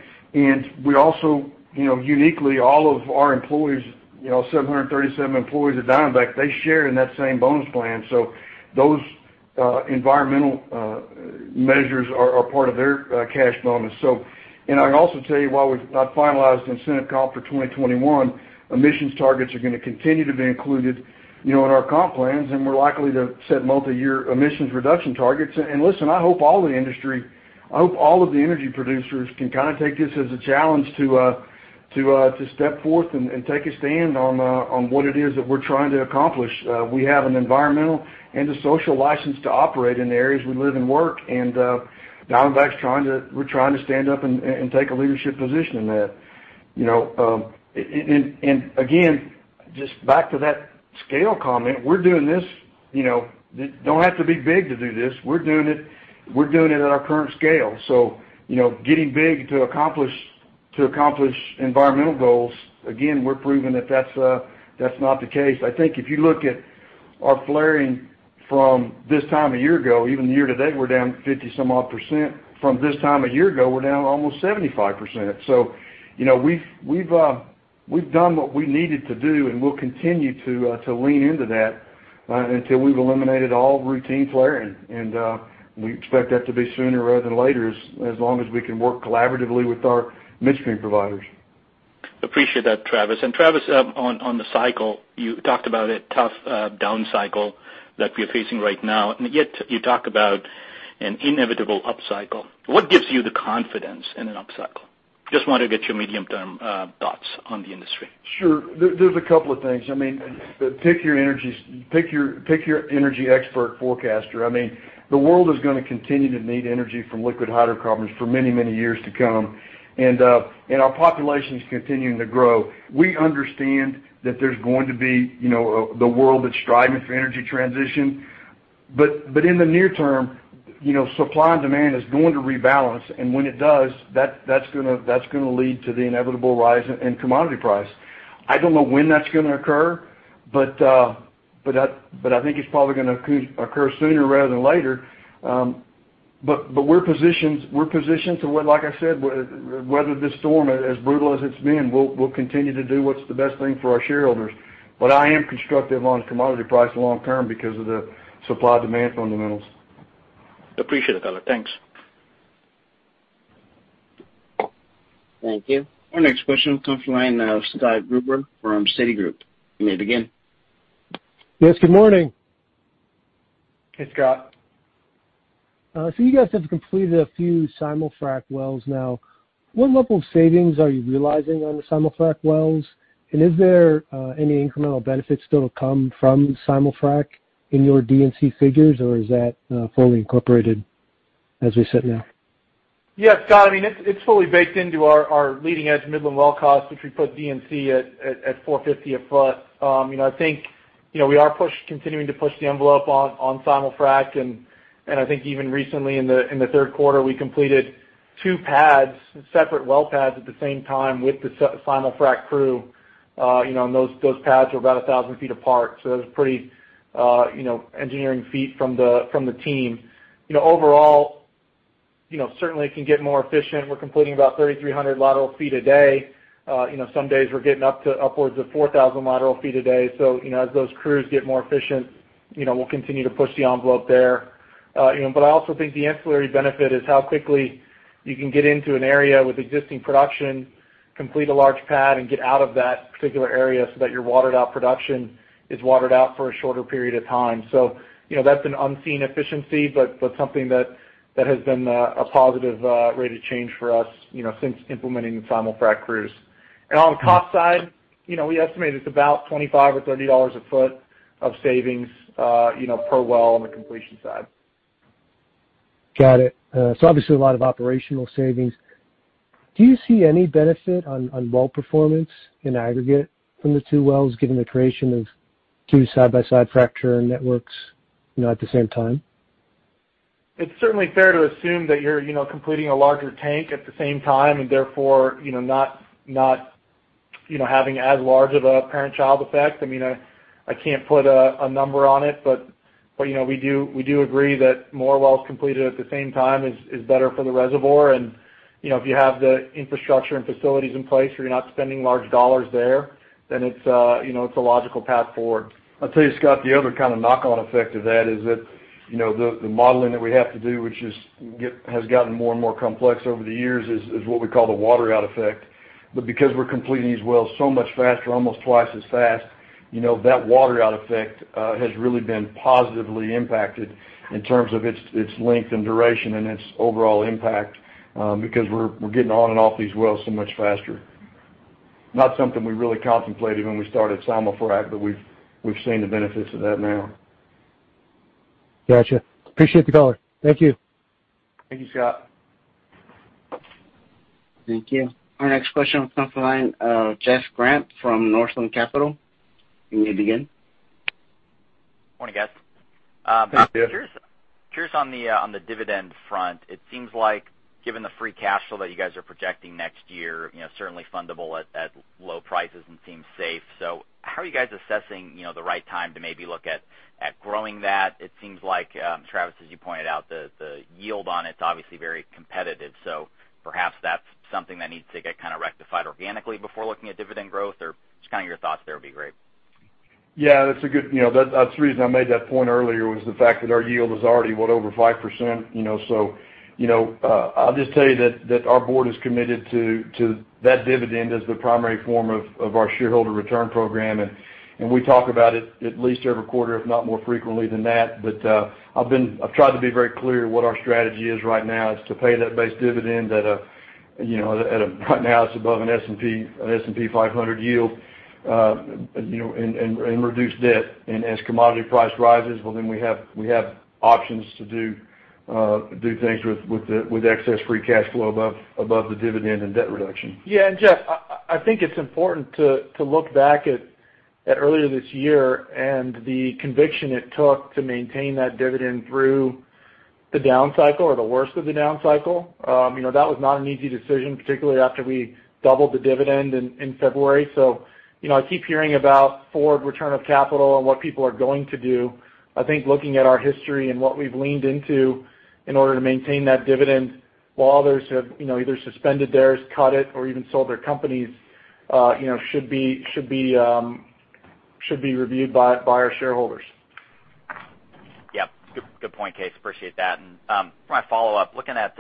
We also, uniquely, all of our employees, 737 employees at Diamondback, they share in that same bonus plan. Those environmental measures are part of their cash bonus. I can also tell you while we've not finalized incentive comp for 2021, emissions targets are going to continue to be included in our comp plans, and we're likely to set multi-year emissions reduction targets. Listen, I hope all the industry, I hope all of the energy producers can take this as a challenge to step forth and take a stand on what it is that we're trying to accomplish. We have an environmental and a social license to operate in the areas we live and work, and Diamondback, we're trying to stand up and take a leadership position in that. Again, just back to that scale comment, we're doing this. You don't have to be big to do this. We're doing it at our current scale. Getting big to accomplish environmental goals, again, we're proving that that's not the case. I think if you look at our flaring from this time a year ago, even the year to date, we're down 50 some odd percent. From this time a year ago, we're down almost 75%. We've done what we needed to do, and we'll continue to lean into that until we've eliminated all routine flaring. We expect that to be sooner rather than later, as long as we can work collaboratively with our midstream providers. Appreciate that, Travis. Travis, on the cycle, you talked about a tough down cycle that we're facing right now, and yet you talk about an inevitable upcycle. What gives you the confidence in an upcycle? Just want to get your medium-term thoughts on the industry. Sure. There's a couple of things. Pick your energy expert forecaster. The world is going to continue to need energy from liquid hydrocarbons for many, many years to come. Our population is continuing to grow. We understand that there's going to be the world that's striving for energy transition, but in the near term, supply and demand is going to rebalance, and when it does, that's going to lead to the inevitable rise in commodity price. I don't know when that's going to occur, but I think it's probably going to occur sooner rather than later. We're positioned to, like I said, weather this storm, as brutal as it's been. We'll continue to do what's the best thing for our shareholders. I am constructive on commodity price long term because of the supply-demand fundamentals. Appreciate the color. Thanks. Thank you. Our next question comes from the line of Scott Gruber from Citigroup. You may begin. Yes, good morning. Hey, Scott. You guys have completed a few simul-frac wells now. What level of savings are you realizing on the simul-frac wells? Is there any incremental benefits that'll come from simul-frac in your D&C figures, or is that fully incorporated as we sit now? Yes, Scott, it's fully baked into our leading-edge Midland well cost, which we put D&C at $450 a foot. I think we are continuing to push the envelope on simul frac, and I think even recently in the third quarter, we completed two pads, separate well pads at the same time with the simul frac crew. Those pads were about 1,000 ft apart, so it was a pretty engineering feat from the team. Overall, certainly it can get more efficient. We're completing about 3,300 lateral feet a day. Some days we're getting up to upwards of 4,000 lateral feet a day. As those crews get more efficient, we'll continue to push the envelope there. I also think the ancillary benefit is how quickly you can get into an area with existing production, complete a large pad, and get out of that particular area so that your watered-out production is watered out for a shorter period of time. That's an unseen efficiency, but something that has been a positive rate of change for us since implementing the simul-frac crews. On the cost side, we estimate it's about $25 or $30 a foot of savings per well on the completion side. Got it. Obviously a lot of operational savings. Do you see any benefit on well performance in aggregate from the two wells, given the creation of two side-by-side fracture networks at the same time? It's certainly fair to assume that you're completing a larger tank at the same time, and therefore not having as large of a parent-child effect. I can't put a number on it, we do agree that more wells completed at the same time is better for the reservoir. If you have the infrastructure and facilities in place where you're not spending large dollars there, then it's a logical path forward. I'll tell you, Scott, the other kind of knock-on effect of that is that the modeling that we have to do, which has gotten more and more complex over the years, is what we call the water out effect. Because we're completing these wells so much faster, almost twice as fast, that water out effect has really been positively impacted in terms of its length and duration and its overall impact, because we're getting on and off these wells so much faster. Not something we really contemplated when we started simul-frac, but we've seen the benefits of that now. Gotcha. Appreciate the color. Thank you. Thank you, Scott. Thank you. Our next question comes from the line of Jeff Grampp from Northland Capital. You may begin. Morning, guys. Hi, Jeff. Travis, curious on the dividend front. It seems like given the free cash flow that you guys are projecting next year, certainly fundable at low prices and seems safe. How are you guys assessing the right time to maybe look at growing that? It seems like, Travis, as you pointed out, the yield on it's obviously very competitive, so perhaps that's something that needs to get rectified organically before looking at dividend growth, or just your thoughts there would be great. That's the reason I made that point earlier was the fact that our yield is already, what, over 5%. I'll just tell you that our board is committed to that dividend as the primary form of our shareholder return program, and we talk about it at least every quarter, if not more frequently than that. I've tried to be very clear what our strategy is right now. It's to pay that base dividend that. Right now it's above an S&P 500 yield, and reduced debt. As commodity price rises, well, then we have options to do things with excess free cash flow above the dividend and debt reduction. Yeah. Jeff, I think it's important to look back at earlier this year and the conviction it took to maintain that dividend through the down cycle or the worst of the down cycle. That was not an easy decision, particularly after we doubled the dividend in February. I keep hearing about forward return of capital and what people are going to do. I think looking at our history and what we've leaned into in order to maintain that dividend, while others have either suspended theirs, cut it, or even sold their companies, should be reviewed by our shareholders. Yep. Good point, Kaes. Appreciate that. For my follow-up, looking at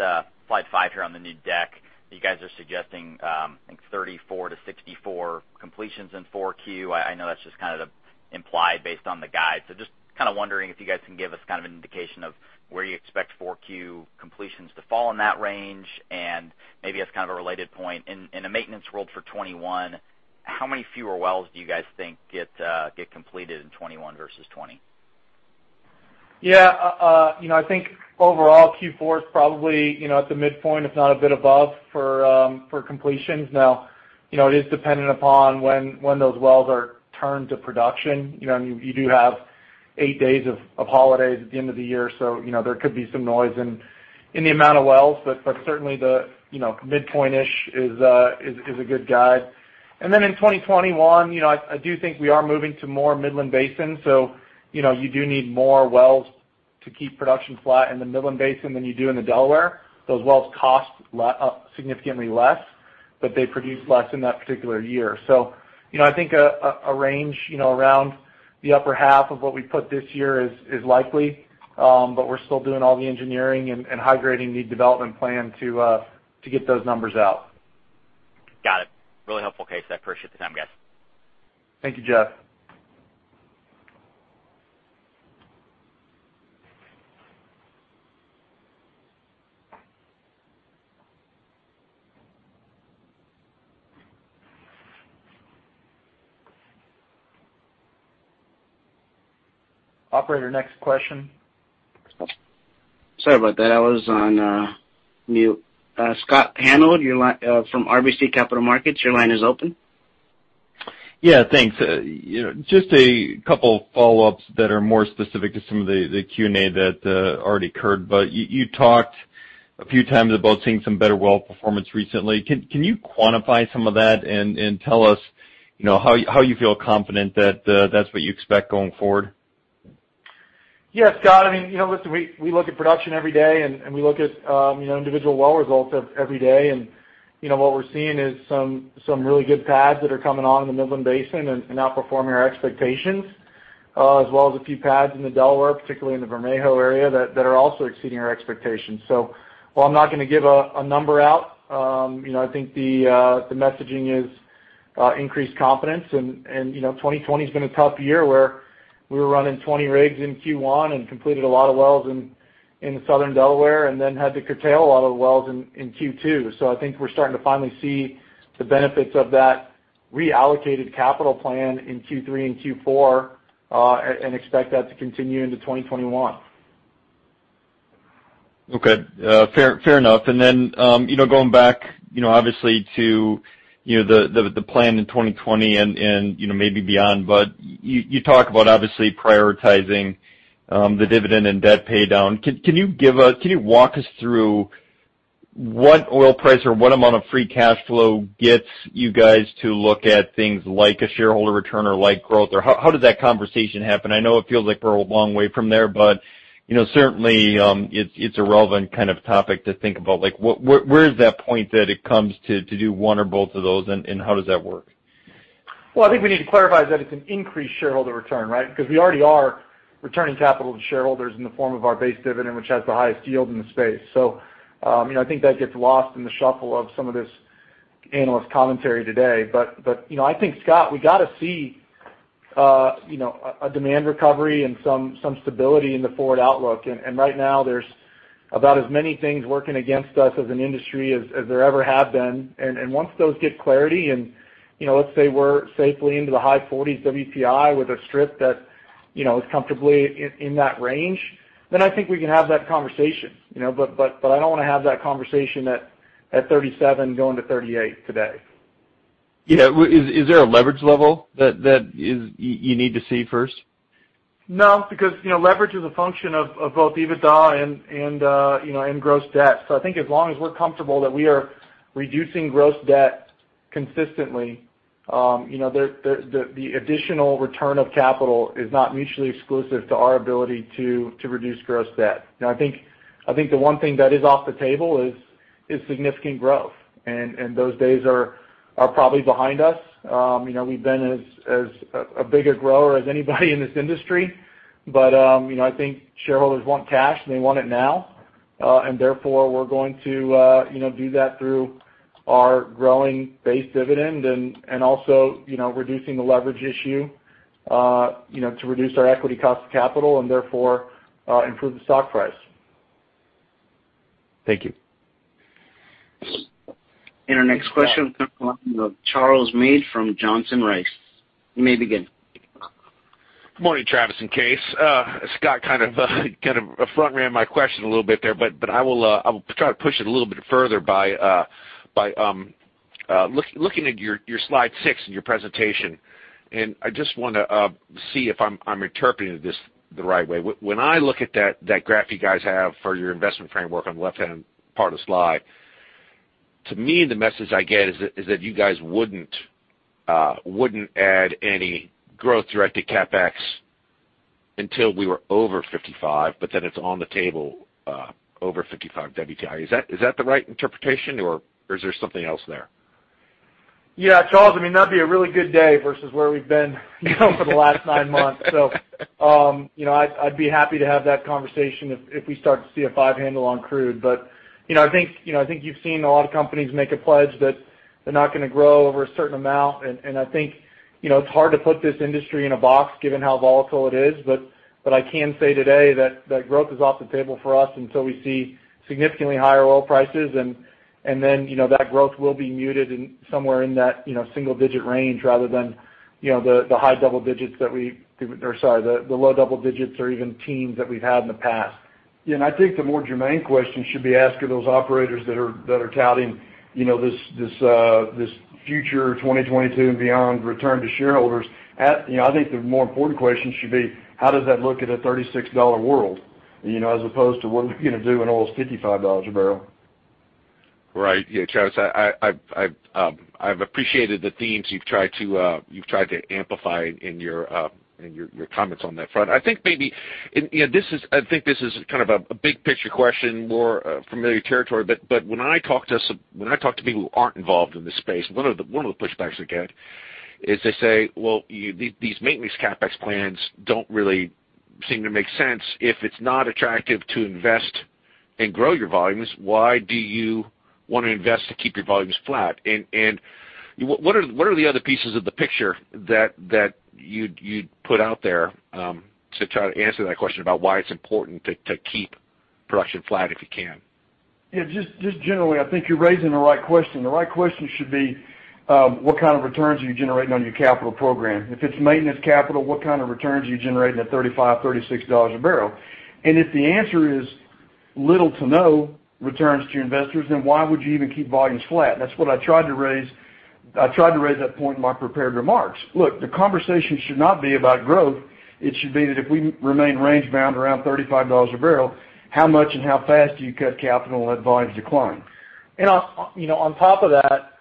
slide five here on the new deck, you guys are suggesting, I think 34-64 completions in Q4. I know that's just kind of implied based on the guide. Just kind of wondering if you guys can give us kind of an indication of where you expect Q4 completions to fall in that range, and maybe as kind of a related point, in the maintenance world for 2021, how many fewer wells do you guys think get completed in 2021 versus 2020? Yeah. I think overall Q4 is probably at the midpoint, if not a bit above for completions. It is dependent upon when those wells are turned to production. You do have eight days of holidays at the end of the year, so there could be some noise in the amount of wells, but certainly the midpoint-ish is a good guide. In 2021, I do think we are moving to more Midland Basin. You do need more wells to keep production flat in the Midland Basin than you do in the Delaware. Those wells cost significantly less, but they produce less in that particular year. I think a range around the upper half of what we put this year is likely. We're still doing all the engineering and high-grading The development plan to get those numbers out. Got it. Really helpful, Kaes. I appreciate the time, guys. Thank you, Jeff. Operator, next question. Sorry about that. I was on mute. Scott Hanold from RBC Capital Markets, your line is open. Yeah. Thanks. Just a couple follow-ups that are more specific to some of the Q&A that already occurred. You talked a few times about seeing some better well performance recently. Can you quantify some of that and tell us how you feel confident that that's what you expect going forward? Yeah, Scott, listen, we look at production every day, and we look at individual well results every day. What we're seeing is some really good pads that are coming on in the Midland Basin and outperforming our expectations, as well as a few pads in the Delaware, particularly in the Vermejo area, that are also exceeding our expectations. While I'm not going to give a number out, I think the messaging is increased confidence. 2020's been a tough year, where we were running 20 rigs in Q1 and completed a lot of wells in the Southern Delaware, and then had to curtail a lot of the wells in Q2. I think we're starting to finally see the benefits of that reallocated capital plan in Q3 and Q4, and expect that to continue into 2021. Okay. Fair enough. Then, going back obviously to the plan in 2020 and maybe beyond, but you talk about obviously prioritizing the dividend and debt pay down. Can you walk us through what oil price or what amount of free cash flow gets you guys to look at things like a shareholder return or like growth, or how did that conversation happen? I know it feels like we're a long way from there, but certainly, it's a relevant kind of topic to think about. Where is that point that it comes to do one or both of those, and how does that work? I think we need to clarify that it's an increased shareholder return, right? Because we already are returning capital to shareholders in the form of our base dividend, which has the highest yield in the space. I think that gets lost in the shuffle of some of this analyst commentary today. I think, Scott, we got to see a demand recovery and some stability in the forward outlook. Right now, there's about as many things working against us as an industry as there ever have been. Once those get clarity and, let's say we're safely into the high 40s WTI with a strip that is comfortably in that range, then I think we can have that conversation. I don't want to have that conversation at $37 going to $38 today. Yeah. Is there a leverage level that you need to see first? No, because leverage is a function of both EBITDA and gross debt. I think as long as we're comfortable that we are reducing gross debt consistently, the additional return of capital is not mutually exclusive to our ability to reduce gross debt. I think the one thing that is off the table is significant growth, and those days are probably behind us. We've been as a bigger grower as anybody in this industry, but I think shareholders want cash and they want it now. Therefore, we're going to do that through our growing base dividend and also reducing the leverage issue to reduce our equity cost of capital and therefore improve the stock price. Thank you. Our next question comes from the line of Charles Meade from Johnson Rice. You may begin. Good morning, Travis and Kaes. Scott kind of front ran my question a little bit there, but I will try to push it a little bit further by looking at your slide six in your presentation. I just want to see if I'm interpreting this the right way. When I look at that graph you guys have for your investment framework on the left-hand part of the slide, to me, the message I get is that you guys wouldn't add any growth-directed CapEx until we were over $55, but then it's on the table over $55 WTI. Is that the right interpretation, or is there something else there? Yeah, Charles, I mean, that'd be a really good day versus where we've been for the last nine months. I'd be happy to have that conversation if we start to see a five handle on crude. I think you've seen a lot of companies make a pledge that they're not going to grow over a certain amount. I think it's hard to put this industry in a box given how volatile it is. I can say today that growth is off the table for us until we see significantly higher oil prices. Then that growth will be muted in somewhere in that single-digit range rather than the low double digits or even teens that we've had in the past. Yeah, I think the more germane question should be asked of those operators that are touting this future 2022 and beyond return to shareholders. I think the more important question should be, how does that look in a $36 world, as opposed to what are we going to do when oil's $55 a barrel? Right. Yeah, Travis, I've appreciated the themes you've tried to amplify in your comments on that front. I think this is a big picture question, more familiar territory, but when I talk to people who aren't involved in this space, one of the pushbacks I get is they say, "Well, these maintenance CapEx plans don't really seem to make sense. If it's not attractive to invest and grow your volumes, why do you want to invest to keep your volumes flat?" What are the other pieces of the picture that you'd put out there to try to answer that question about why it's important to keep production flat if you can? Yeah, just generally, I think you're raising the right question. The right question should be, what kind of returns are you generating on your capital program? If it's maintenance capital, what kind of returns are you generating at $35, $36 a barrel? If the answer is little to no returns to your investors, then why would you even keep volumes flat? That's what I tried to raise. I tried to raise that point in my prepared remarks. Look, the conversation should not be about growth. It should be that if we remain range-bound around $35 a barrel, how much and how fast do you cut capital and let volumes decline? On top of that,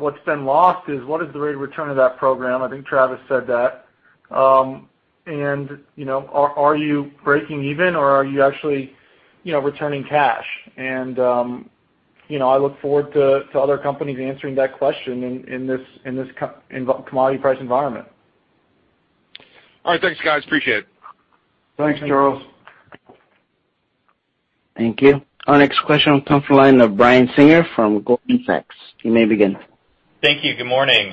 what's been lost is what is the rate of return of that program. I think Travis said that. Are you breaking even or are you actually returning cash? I look forward to other companies answering that question in this commodity price environment. All right. Thanks, guys. Appreciate it. Thanks, Charles. Thank you. Our next question comes from the line of Brian Singer from Goldman Sachs. You may begin. Thank you. Good morning.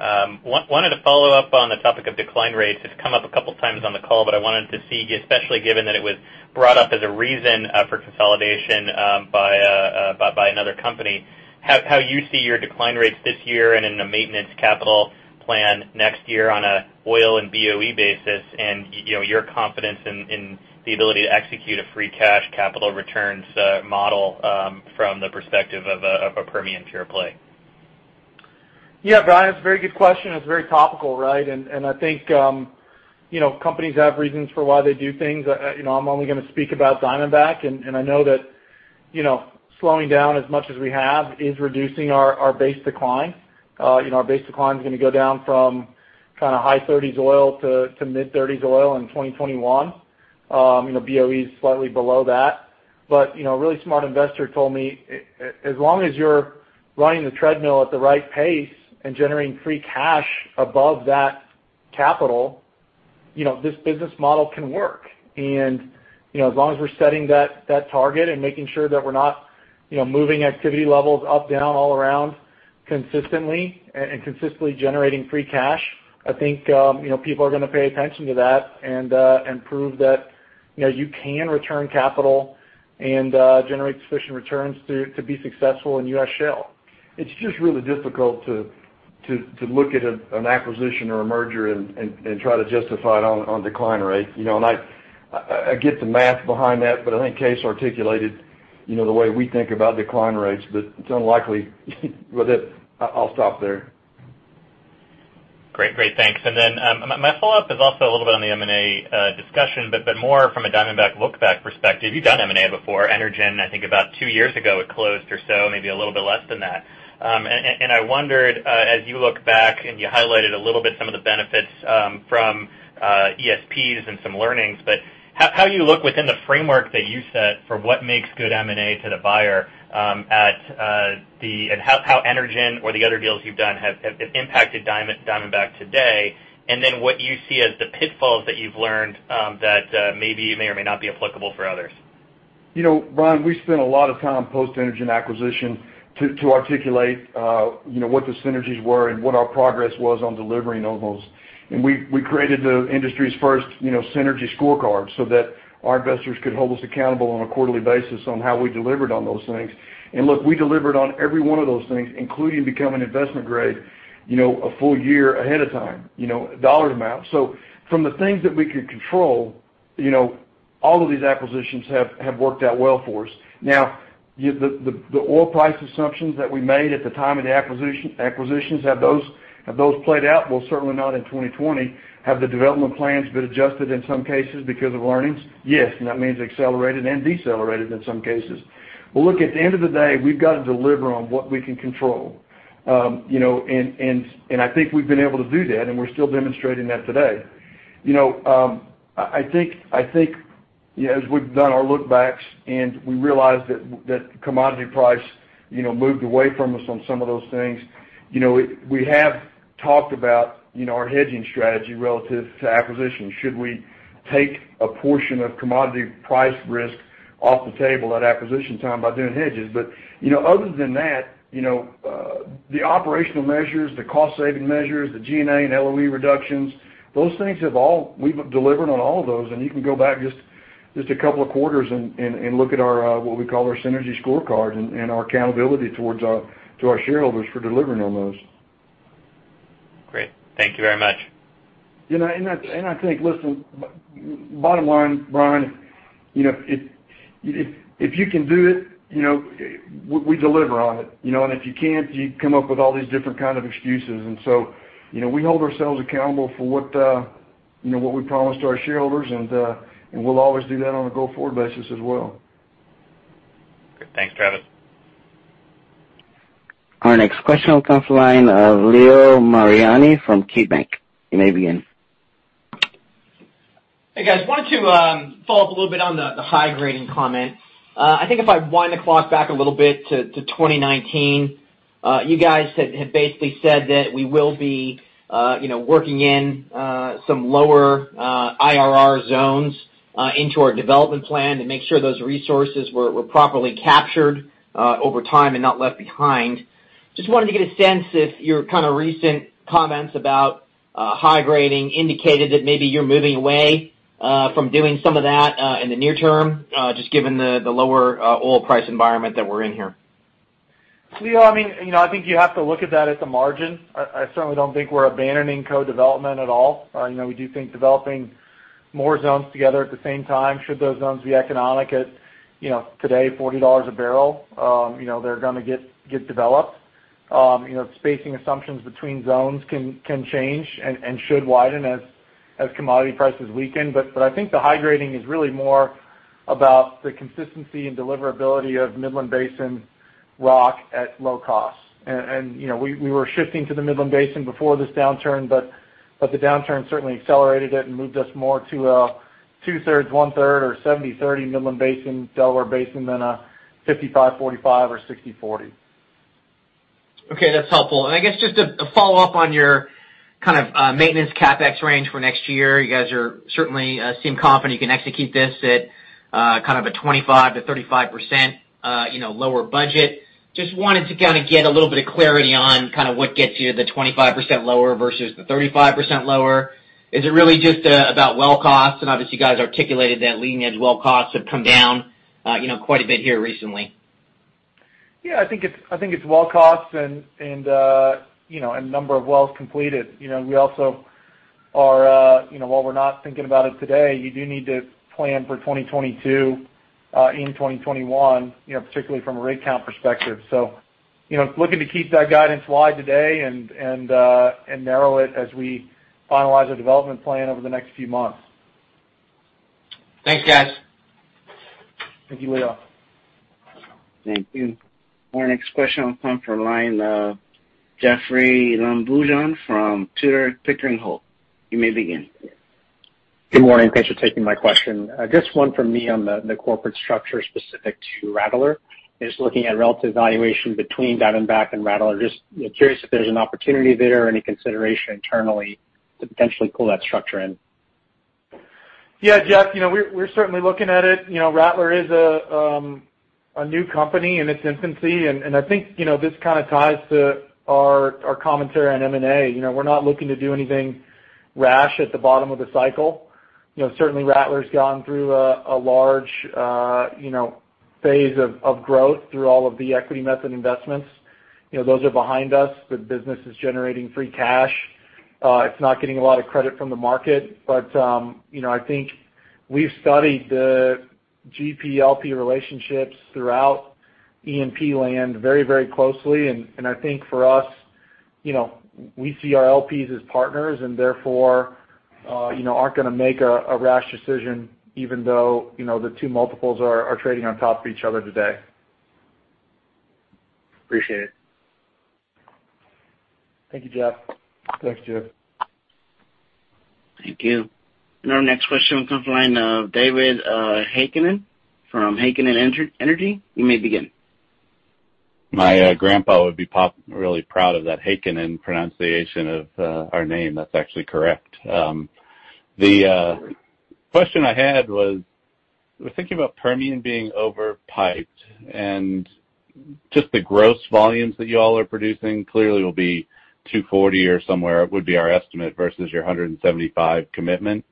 Wanted to follow up on the topic of decline rates. It's come up a couple times on the call. I wanted to see, especially given that it was brought up as a reason for consolidation by another company, how you see your decline rates this year and in the maintenance capital plan next year on a oil and BOE basis, and your confidence in the ability to execute a free cash capital returns model from the perspective of a Permian pure play. Yeah, Brian, it's a very good question. It's very topical, right? I think companies have reasons for why they do things. I'm only going to speak about Diamondback, and I know that slowing down as much as we have is reducing our base decline. Our base decline's going to go down from high 30s oil to mid-30s oil in 2021. BOE is slightly below that. A really smart investor told me, as long as you're running the treadmill at the right pace and generating free cash above that capital, this business model can work. As long as we're setting that target and making sure that we're not moving activity levels up, down, all around consistently, and consistently generating free cash, I think people are going to pay attention to that and prove that you can return capital and generate sufficient returns to be successful in U.S. shale. It's just really difficult to look at an acquisition or a merger and try to justify it on decline rates. I get the math behind that, but I think Kaes articulated the way we think about decline rates, but it's unlikely with it. I'll stop there. Great. Thanks. My follow-up is also a little bit on the M&A discussion, but more from a Diamondback look-back perspective. You've done M&A before. Energen, I think about two years ago, it closed or so, maybe a little bit less than that. I wondered, as you look back and you highlighted a little bit some of the benefits from ESPs and some learnings, but how you look within the framework that you set for what makes good M&A to the buyer, and how Energen or the other deals you've done have impacted Diamondback today, and then what you see as the pitfalls that you've learned that maybe may or may not be applicable for others? Brian, we spent a lot of time post-Energen acquisition to articulate what the synergies were and what our progress was on delivering on those. We created the industry's first synergy scorecard so that our investors could hold us accountable on a quarterly basis on how we delivered on those things. Look, we delivered on every one of those things, including becoming investment-grade a full year ahead of time, dollar amount. From the things that we could control, all of these acquisitions have worked out well for us. The oil price assumptions that we made at the time of the acquisitions, have those played out? Well, certainly not in 2020. Have the development plans been adjusted in some cases because of learnings? Yes, that means accelerated and decelerated in some cases. Look, at the end of the day, we've got to deliver on what we can control. I think we've been able to do that, and we're still demonstrating that today. I think as we've done our look backs and we realized that commodity price moved away from us on some of those things, we have talked about our hedging strategy relative to acquisitions. Should we take a portion of commodity price risk off the table at acquisition time by doing hedges? Other than that, the operational measures, the cost-saving measures, the G&A and LOE reductions, those things, we've delivered on all of those, and you can go back just a couple of quarters and look at what we call our synergy scorecard and our accountability to our shareholders for delivering on those. Great. Thank you very much. I think, listen, bottom line, Brian, if you can do it, we deliver on it. If you can't, you come up with all these different kind of excuses. We hold ourselves accountable for what we promised our shareholders, and we'll always do that on a go-forward basis as well. Thanks, Travis. Our next question comes from the line of Leo Mariani from KeyBanc. You may begin. Hey, guys. I wanted to follow up a little bit on the high grading comment. I think if I wind the clock back a little bit to 2019, you guys had basically said that we will be working in some lower IRR zones into our development plan to make sure those resources were properly captured over time and not left behind. I just wanted to get a sense if your recent comments about high grading indicated that maybe you're moving away from doing some of that in the near term, just given the lower oil price environment that we're in here. Leo, I think you have to look at that as a margin. I certainly don't think we're abandoning co-development at all. We do think developing more zones together at the same time, should those zones be economic at today, $40 a barrel, they're going to get developed. Spacing assumptions between zones can change and should widen as commodity prices weaken. I think the high grading is really more about the consistency and deliverability of Midland Basin rock at low cost. We were shifting to the Midland Basin before this downturn, but the downturn certainly accelerated it and moved us more to a 2/3, 1/3 or 70-30 Midland Basin, Delaware Basin than a 55-45 or 60-40. Okay. That's helpful. I guess just to follow up on your maintenance CapEx range for next year, you guys certainly seem confident you can execute this at a 25%-35% lower budget. Just wanted to get a little bit of clarity on what gets you the 25% lower versus the 35% lower. Is it really just about well costs? Obviously, you guys articulated that leading edge well costs have come down quite a bit here recently. Yeah, I think it's well costs and number of wells completed. While we're not thinking about it today, you do need to plan for 2022 in 2021, particularly from a rig count perspective. Looking to keep that guidance wide today and narrow it as we finalize the development plan over the next few months. Thanks, guys. Thank you, Leo. Thank you. Our next question comes from the line of Jeoffrey Lambujon from Tudor, Pickering, Holt. You may begin. Good morning. Thanks for taking my question. Just one from me on the corporate structure specific to Rattler. Just looking at relative valuation between Diamondback and Rattler, just curious if there's an opportunity there or any consideration internally to potentially pull that structure in. Yeah, Jeff, we're certainly looking at it. Rattler is a new company in its infancy, and I think this ties to our commentary on M&A. We're not looking to do anything rash at the bottom of the cycle. Certainly Rattler's gone through a large phase of growth through all of the equity method investments. Those are behind us. The business is generating free cash. It's not getting a lot of credit from the market, but I think we've studied the GP/LP relationships throughout E&P land very closely, and I think for us, we see our LPs as partners and therefore aren't going to make a rash decision, even though the two multiples are trading on top of each other today. Appreciate it. Thank you, Jeff. Thanks, Jeff. Thank you. Our next question comes from the line of David Heikkinen from Heikkinen Energy. You may begin. My grandpa would be really proud of that Heikkinen pronunciation of our name. That's actually correct. The question I had was, we're thinking about Permian being over-piped and just the gross volumes that you all are producing clearly will be 240 or somewhere would be our estimate versus your 175 commitment.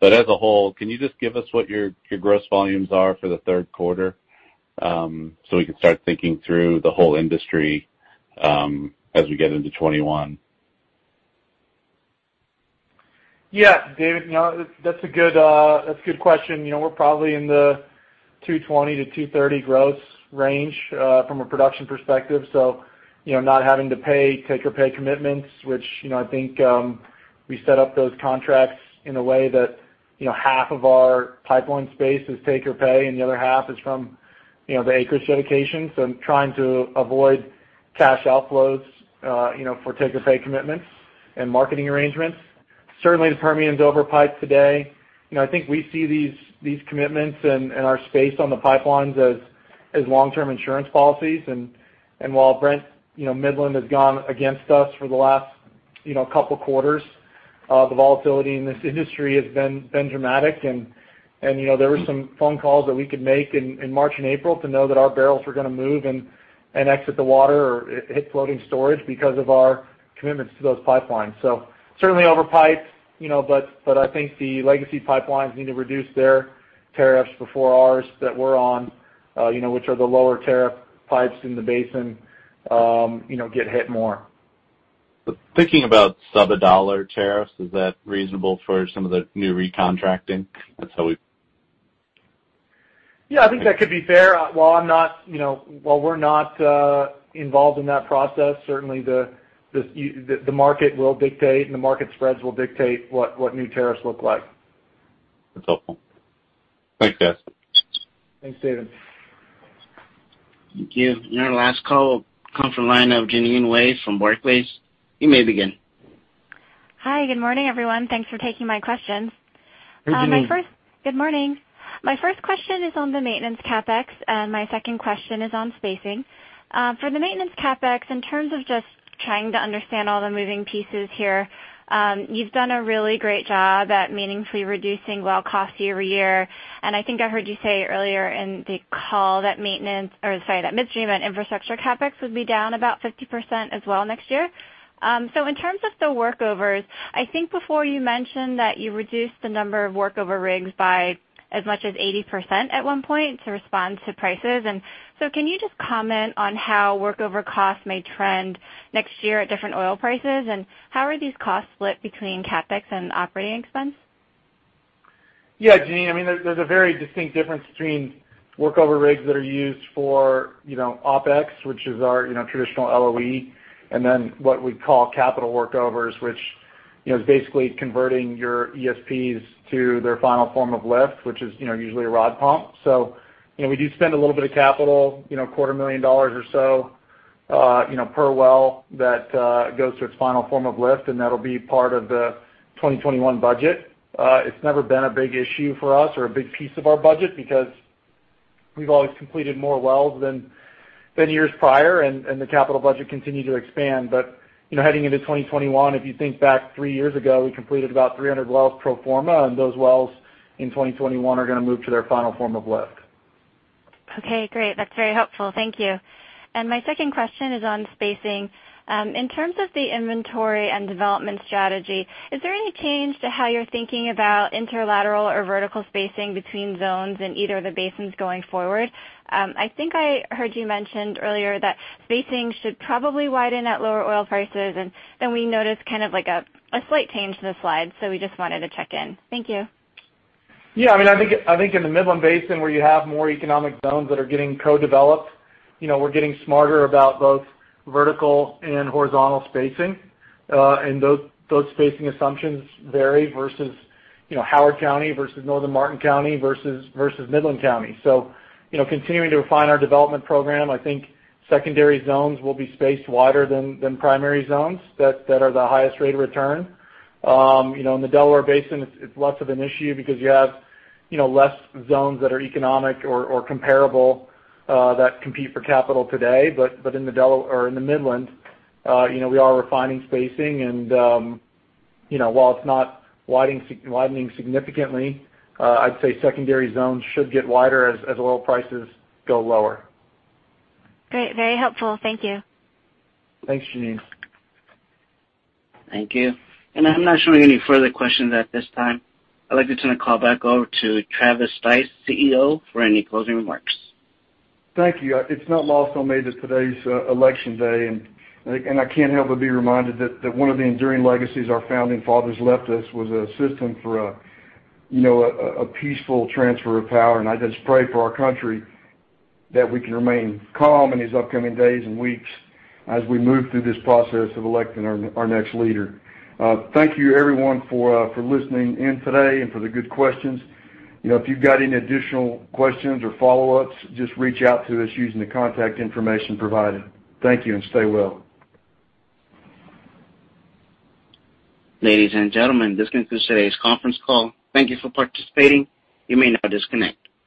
As a whole, can you just give us what your gross volumes are for the third quarter? We can start thinking through the whole industry, as we get into 2021. Yeah. David, that's a good question. We're probably in the 220-230 gross range, from a production perspective. Not having to pay take or pay commitments, which I think, we set up those contracts in a way that half of our pipeline space is take or pay, and the other half is from the acreage dedication. I'm trying to avoid cash outflows for take or pay commitments and marketing arrangements. Certainly, the Permian's over-piped today. I think we see these commitments and our space on the pipelines as long-term insurance policies. While Brent, Midland has gone against us for the last couple of quarters, the volatility in this industry has been dramatic. There were some phone calls that we could make in March and April to know that our barrels are going to move and exit the water or hit floating storage because of our commitments to those pipelines. Certainly over-piped, but I think the legacy pipelines need to reduce their tariffs before ours that we're on, which are the lower tariff pipes in the basin, get hit more. Thinking about sub $1 tariffs, is that reasonable for some of the new recontracting? That's how we. Yeah, I think that could be fair. While we're not involved in that process, certainly the market will dictate, and the market spreads will dictate what new tariffs look like. That's helpful. Thanks, guys. Thanks, David. Thank you. Our last call will come from the line of Jeanine Wai from Barclays. You may begin. Hi. Good morning, everyone. Thanks for taking my questions. Hey, Jeanine. Good morning. My first question is on the maintenance CapEx, and my second question is on spacing. For the maintenance CapEx, in terms of just trying to understand all the moving pieces here, you've done a really great job at meaningfully reducing well costs year-over-year, and I think I heard you say earlier in the call that maintenance Or sorry, that midstream and infrastructure CapEx would be down about 50% as well next year. In terms of the workovers, I think before you mentioned that you reduced the number of workover rigs by as much as 80% at one point to respond to prices. Can you just comment on how workover costs may trend next year at different oil prices, and how are these costs split between CapEx and operating expense? Jeanine, there's a very distinct difference between workover rigs that are used for OpEx, which is our traditional LOE, and then what we call capital workovers, which is basically converting your ESPs to their final form of lift, which is usually a rod pump. We do spend a little bit of capital, a quarter million dollars or so, per well that goes to its final form of lift, and that'll be part of the 2021 budget. It's never been a big issue for us or a big piece of our budget because we've always completed more wells than years prior and the capital budget continued to expand. Heading into 2021, if you think back three years ago, we completed about 300 wells pro forma, and those wells in 2021 are going to move to their final form of lift. Okay, great. That's very helpful. Thank you. My second question is on spacing. In terms of the inventory and development strategy, is there any change to how you're thinking about interlateral or vertical spacing between zones in either of the basins going forward? I think I heard you mentioned earlier that spacing should probably widen at lower oil prices. We noticed kind of like a slight change in the slide. We just wanted to check in. Thank you. Yeah, I think in the Midland Basin where you have more economic zones that are getting co-developed, we're getting smarter about both vertical and horizontal spacing. Those spacing assumptions vary versus Howard County versus Northern Martin County versus Midland County. Continuing to refine our development program, I think secondary zones will be spaced wider than primary zones that are the highest rate of return. In the Delaware Basin, it's less of an issue because you have less zones that are economic or comparable, that compete for capital today. In the Midland, we are refining spacing and while it's not widening significantly, I'd say secondary zones should get wider as oil prices go lower. Great. Very helpful. Thank you. Thanks, Jeanine. Thank you. I'm not showing any further questions at this time. I'd like to turn the call back over to Travis Stice, CEO, for any closing remarks. Thank you. It's not lost on me that today is Election Day, and I can't help but be reminded that one of the enduring legacies our Founding Fathers left us was a system for a peaceful transfer of power. I just pray for our country that we can remain calm in these upcoming days and weeks as we move through this process of electing our next leader. Thank you everyone for listening in today and for the good questions. If you've got any additional questions or follow-ups, just reach out to us using the contact information provided. Thank you, and stay well. Ladies and gentlemen, this concludes today's conference call. Thank you for participating. You may now disconnect.